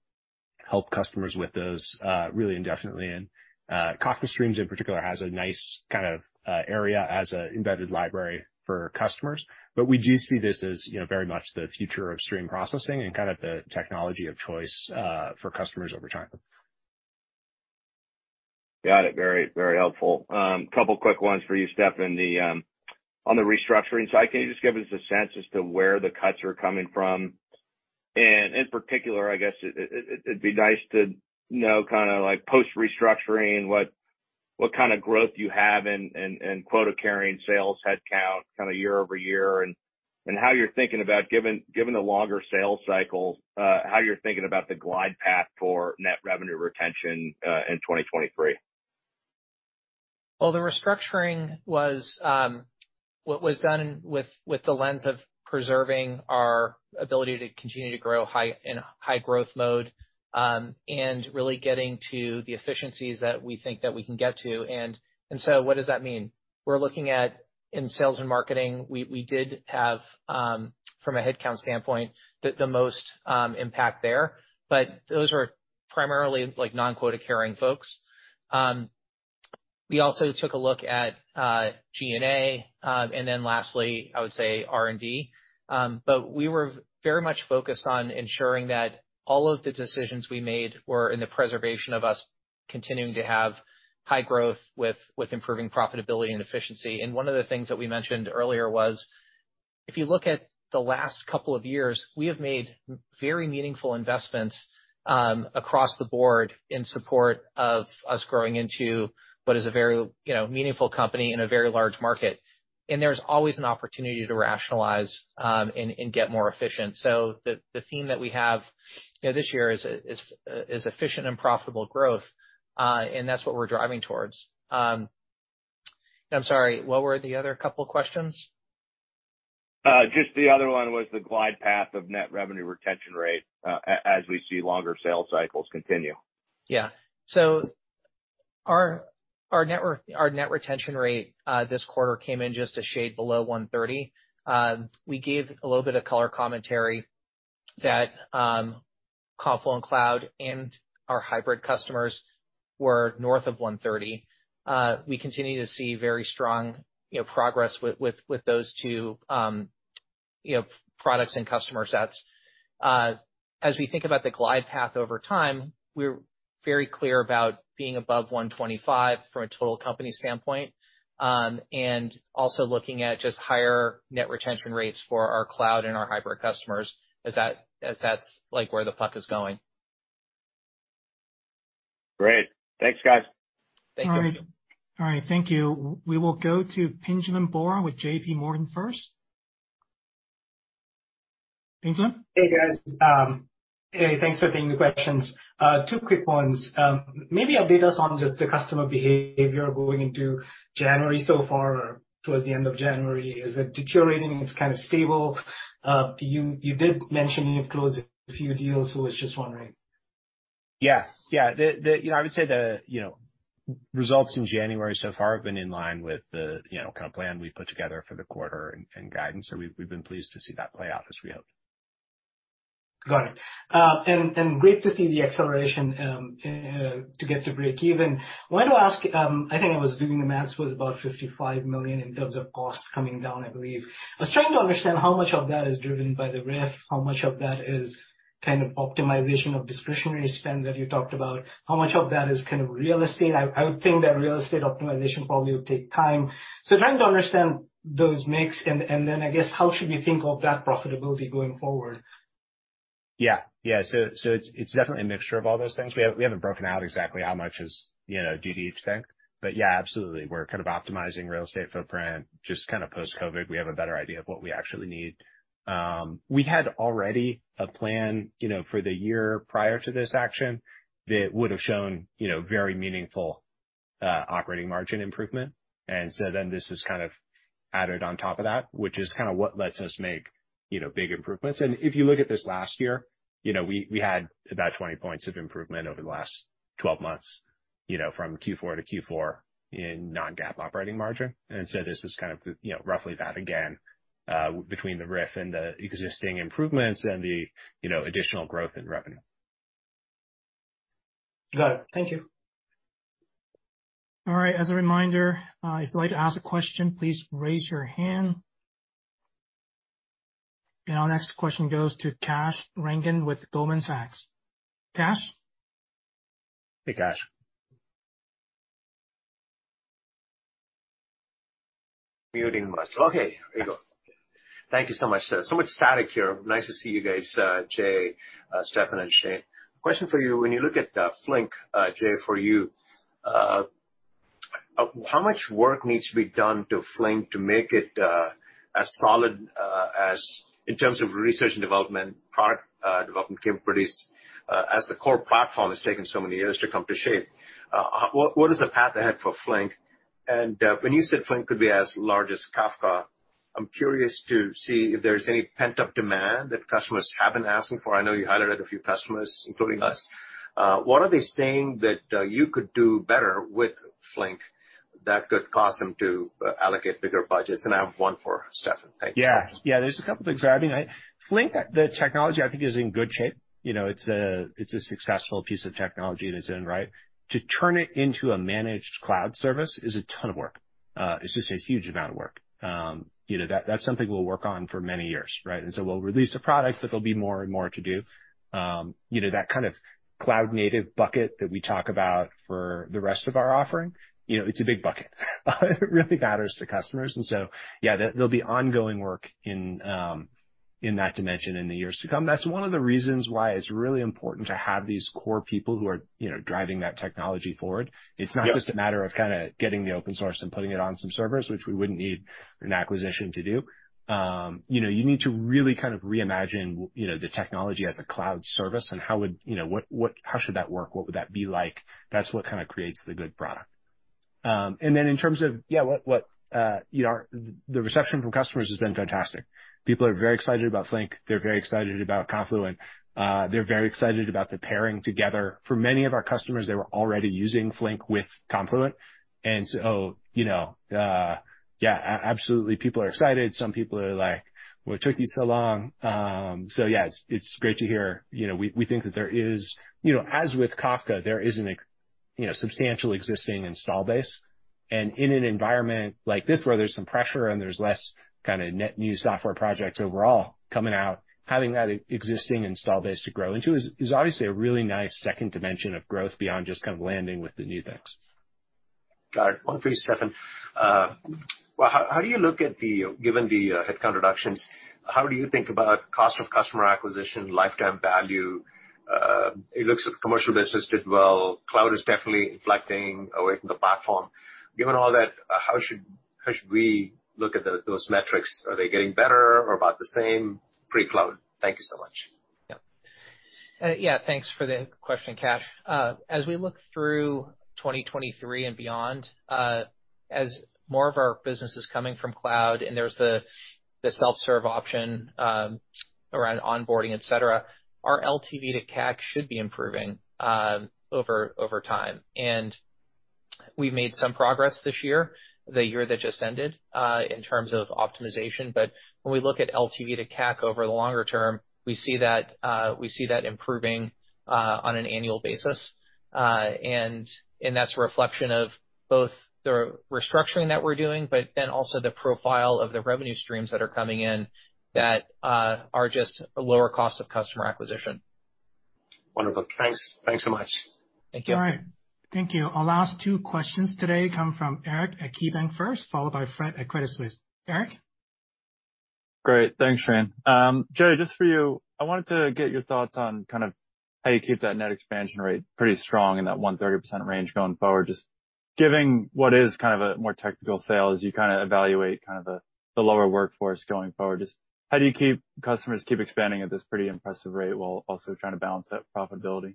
help customers with those really indefinitely. Kafka Streams in particular has a nice kind of area as a embedded library for customers. We do see this as, you know, very much the future of stream processing and kind of the technology of choice for customers over time. Got it. Very, very helpful. Couple quick ones for you, Steffan. On the restructuring cycle, can you just give us a sense as to where the cuts are coming from? In particular, I guess it'd be nice to know kinda like post-restructuring, what kinda growth you have in quota-carrying sales headcount kinda year over year, and how you're thinking about given the longer sales cycles, how you're thinking about the glide path for net revenue retention in 2023? Well, the restructuring was what was done with the lens of preserving our ability to continue to grow high in a high growth mode, and really getting to the efficiencies that we think that we can get to. What does that mean? We're looking at in sales and marketing, we did have, from a headcount standpoint, the most impact there, but those are- Primarily like non-quota carrying folks. We also took a look at G&A, then lastly, I would say R&D. We were very much focused on ensuring that all of the decisions we made were in the preservation of us continuing to have high growth with improving profitability and efficiency. One of the things that we mentioned earlier was, if you look at the last couple of years, we have made very meaningful investments across the board in support of us growing into what is a very, you know, meaningful company in a very large market. There's always an opportunity to rationalize and get more efficient. The theme that we have, you know, this year is efficient and profitable growth, and that's what we're driving towards. I'm sorry, what were the other couple questions? just the other one was the glide path of net revenue retention rate, as we see longer sales cycles continue. Our net retention rate this quarter came in just a shade below 130. We gave a little bit of color commentary that Confluent Cloud and our hybrid customers were north of 130. We continue to see very strong, you know, progress with those two, you know, products and customer sets. As we think about the glide path over time, we're very clear about being above 125 from a total company standpoint, and also looking at just higher net retention rates for our cloud and our hybrid customers as that's like where the puck is going. Great. Thanks, guys. Thank you. All right. All right, thank you. We will go to Pinjalim Bora with JPMorgan first. Pinjalim? Hey, guys. Thanks for taking the questions. Two quick ones. Maybe update us on just the customer behavior going into January so far or towards the end of January? Is it deteriorating? It's kind of stable. You did mention you've closed a few deals, so I was just wondering. Yeah. Yeah. The, you know, I would say the, you know, results in January so far have been in line with the, you know, kind of plan we put together for the quarter and guidance. We've been pleased to see that play out as we hoped. Got it. Great to see the acceleration to get to breakeven. Wanted to ask, I think I was doing the math, was about $55 million in terms of costs coming down, I believe. I was trying to understand how much of that is driven by the RIF, how much of that is kind of optimization of discretionary spend that you talked about, how much of that is kind of real estate? I would think that real estate optimization probably would take time. Trying to understand those mix and then I guess how should we think of that profitability going forward? It's definitely a mixture of all those things. We haven't broken out exactly how much is, you know, due to each thing. Yeah, absolutely. We're kind of optimizing real estate footprint, just kind of post-COVID. We have a better idea of what we actually need. We had already a plan, you know, for the year prior to this action that would've shown, you know, very meaningful operating margin improvement. This is kind of added on top of that, which is kinda what lets us make, you know, big improvements. If you look at this last year, you know, we had about 20 points of improvement over the last 12 months, you know, from Q4 to Q4 in non-GAAP operating margin. This is kind of the, you know, roughly that again, between the RIF and the existing improvements and the, you know, additional growth in revenue. Got it. Thank you. All right. As a reminder, if you'd like to ask a question, please raise your hand. Our next question goes to Kash Rangan with Goldman Sachs. Kash? Hey, Kash. Muting myself. Okay, there you go. Thank you so much. So much static here. Nice to see you guys, Jay, Steffan, and Shane. Question for you. When you look at Flink, Jay, for you, how much work needs to be done to Flink to make it as solid as in terms of research and development, product development capabilities, as the core platform has taken so many years to come to shape? What is the path ahead for Flink? When you said Flink could be as large as Kafka, I'm curious to see if there's any pent-up demand that customers have been asking for. I know you highlighted a few customers, including us. What are they saying that you could do better with Flink that could cause them to allocate bigger budgets? I have one for Steffan. Thank you. Yeah. Yeah, there's a couple things. I mean, Flink, the technology I think is in good shape. You know, it's a, it's a successful piece of technology in its own right. To turn it into a managed cloud service is a ton of work. It's just a huge amount of work. You know, that's something we'll work on for many years, right? We'll release the product, but there'll be more and more to do. You know, that kind of cloud native bucket that we talk about for the rest of our offering, you know, it's a big bucket. It really matters to customers. Yeah, there'll be ongoing work in that dimension in the years to come. That's one of the reasons why it's really important to have these core people who are, you know, driving that technology forward. It's not just a matter of kinda getting the open source and putting it on some servers, which we wouldn't need an acquisition to do. You know, you need to really kind of reimagine, you know, the technology as a cloud service and how would, you know, what, how should that work? What would that be like? That's what kinda creates the good product. Then in terms of, yeah, what, you know, the reception from customers has been fantastic. People are very excited about Flink. They're very excited about Confluent. They're very excited about the pairing together. For many of our customers, they were already using Flink with Confluent. You know, yeah, absolutely, people are excited. Some people are like, "What took you so long?" Yeah, it's great to hear. You know, we think that there is, you know, as with Kafka, there is a substantial existing install base. In an environment like this where there's some pressure and there's less kinda net new software projects overall coming out, having that existing install base to grow into is obviously a really nice second dimension of growth beyond just kind of landing with the new things. Got it. One for you, Steffan. Given the headcount reductions, how do you think about cost of customer acquisition, lifetime value? It looks as if commercial business did well. Cloud is definitely inflecting away from the platform. Given all that, how should we look at those metrics? Are they getting better or about the same pre-cloud? Thank you so much. Yeah, thanks for the question, Kash. As we look through 2023 and beyond, as more of our business is coming from cloud, and there's the self-serve option, around onboarding, et cetera, our LTV to CAC should be improving over time. We've made some progress this year, the year that just ended, in terms of optimization. When we look at LTV to CAC over the longer term, we see that improving on an annual basis. That's a reflection of both the restructuring that we're doing, but then also the profile of the revenue streams that are coming in that are just a lower cost of customer acquisition. Wonderful. Thanks. Thanks so much. Thank you. All right. Thank you. Our last two questions today come from Eric at KeyBanc first, followed by Fred at Credit Suisse. Eric? Great. Thanks, Shane. Jay, just for you, I wanted to get your thoughts on kind of how you keep that net expansion rate pretty strong in that 130% range going forward. Just giving what is kind of a more technical sale as you kind of evaluate the lower workforce going forward, just how do you keep customers expanding at this pretty impressive rate while also trying to balance that profitability?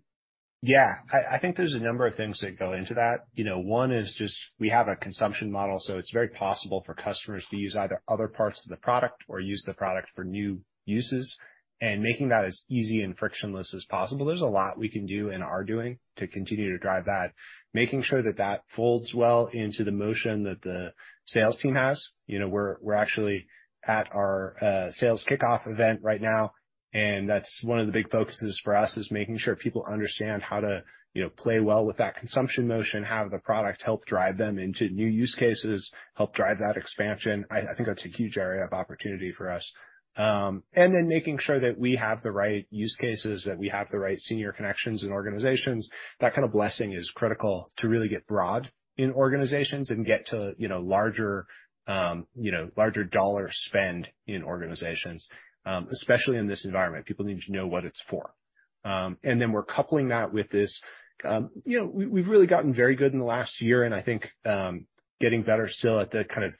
I think there's a number of things that go into that. You know, one is just we have a consumption model, so it's very possible for customers to use either other parts of the product or use the product for new uses, and making that as easy and frictionless as possible. There's a lot we can do and are doing to continue to drive that, making sure that that folds well into the motion that the sales team has. You know, we're actually at our sales kickoff event right now, and that's one of the big focuses for us, is making sure people understand how to, you know, play well with that consumption motion, have the product help drive them into new use cases, help drive that expansion. I think that's a huge area of opportunity for us. Then making sure that we have the right use cases, that we have the right senior connections in organizations. That kind of blessing is critical to really get broad in organizations and get to, you know, larger, you know, larger dollar spend in organizations, especially in this environment. People need to know what it's for. Then we're coupling that with this. You know, we've really gotten very good in the last year, and I think, getting better still at the kind of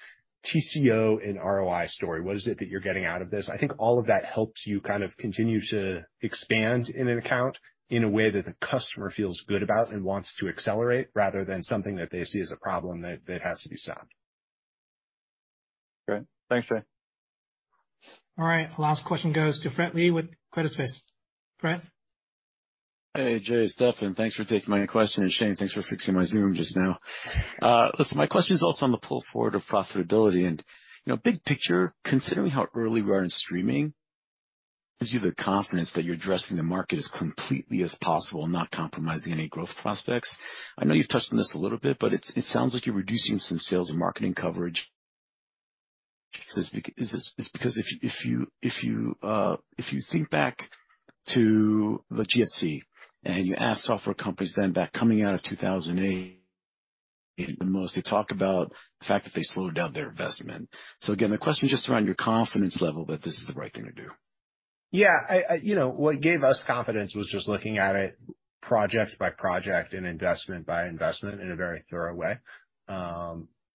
TCO and ROI story. What is it that you're getting out of this? I think all of that helps you kind of continue to expand in an account in a way that the customer feels good about and wants to accelerate rather than something that they see as a problem that has to be solved. Great. Thanks, Jay. All right. Last question goes to Fred Lee with Credit Suisse. Fred? Hey, Jay, Steffan. Thanks for taking my question. Shane, thanks for fixing my Zoom just now. Listen, my question is also on the pull forward of profitability. You know, big picture, considering how early we are in streaming, gives you the confidence that you're addressing the market as completely as possible and not compromising any growth prospects. I know you've touched on this a little bit, but it sounds like you're reducing some sales and marketing coverage. It's because if you think back to the GFC and you ask software companies then that coming out of 2008 the most, they talk about the fact that they slowed down their investment. Again, the question is just around your confidence level that this is the right thing to do. You know, what gave us confidence was just looking at it project by project and investment by investment in a very thorough way.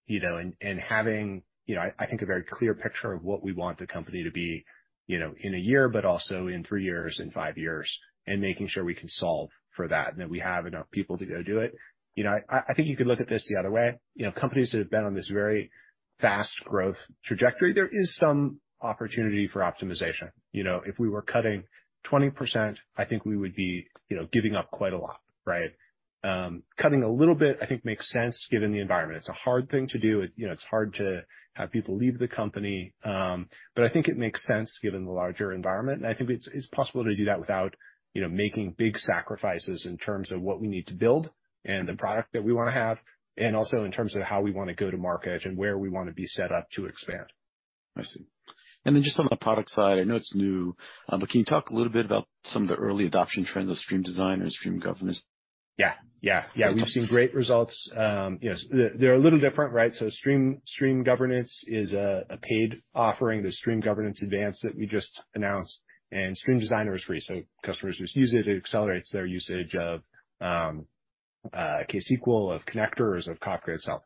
You know, and having, you know, I think, a very clear picture of what we want the company to be, you know, in a year, but also in three years, in five years, and making sure we can solve for that and that we have enough people to go do it. You know, I think you could look at this the other way. You know, companies that have been on this very fast growth trajectory, there is some opportunity for optimization. You know, if we were cutting 20%, I think we would be, you know, giving up quite a lot, right? Cutting a little bit, I think makes sense given the environment. It's a hard thing to do. You know, it's hard to have people leave the company. I think it makes sense given the larger environment, and I think it's possible to do that without, you know, making big sacrifices in terms of what we need to build and the product that we wanna have, and also in terms of how we wanna go to market and where we wanna be set up to expand. I see. Just on the product side, I know it's new, but can you talk a little bit about some of the early adoption trends of Stream Designer and Stream Governance? Yeah. Yeah. Yeah. We've seen great results. you know, they're a little different, right? Stream Governance is a paid offering, the Stream Governance Advanced that we just announced, and Stream Designer is free, so customers just use it. It accelerates their usage of ksql, of connectors, of Kafka itself.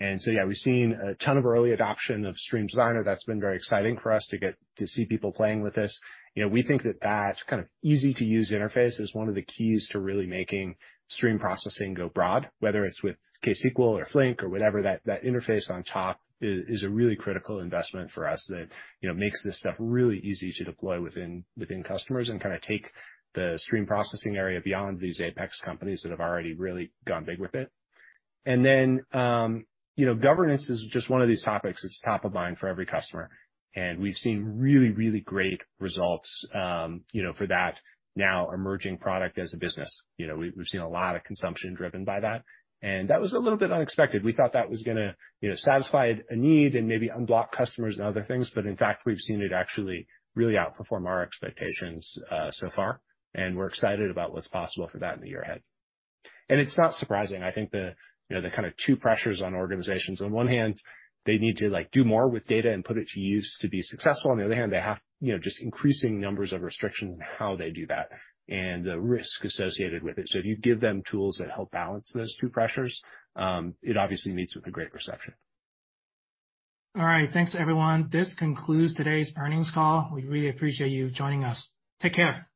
Yeah, we've seen a ton of early adoption of Stream Designer. That's been very exciting for us to get to see people playing with this. You know, we think that that kind of easy-to-use interface is one of the keys to really making stream processing go broad, whether it's with ksql or Flink or whatever, that interface on top is a really critical investment for us that, you know, makes this stuff really easy to deploy within customers and kinda take the stream processing area beyond these Apex companies that have already really gone big with it. You know, governance is just one of these topics that's top of mind for every customer, and we've seen really, really great results, you know, for that now emerging product as a business. You know, we've seen a lot of consumption driven by that, and that was a little bit unexpected. We thought that was gonna, you know, satisfy a need and maybe unblock customers and other things, but in fact, we've seen it actually really outperform our expectations, so far, and we're excited about what's possible for that in the year ahead. It's not surprising. I think the, you know, the kinda two pressures on organizations, on one hand, they need to, like, do more with data and put it to use to be successful. On the other hand, they have, you know, just increasing numbers of restrictions in how they do that and the risk associated with it. If you give them tools that help balance those two pressures, it obviously meets with a great reception. All right. Thanks, everyone. This concludes today's earnings call. We really appreciate you joining us. Take care.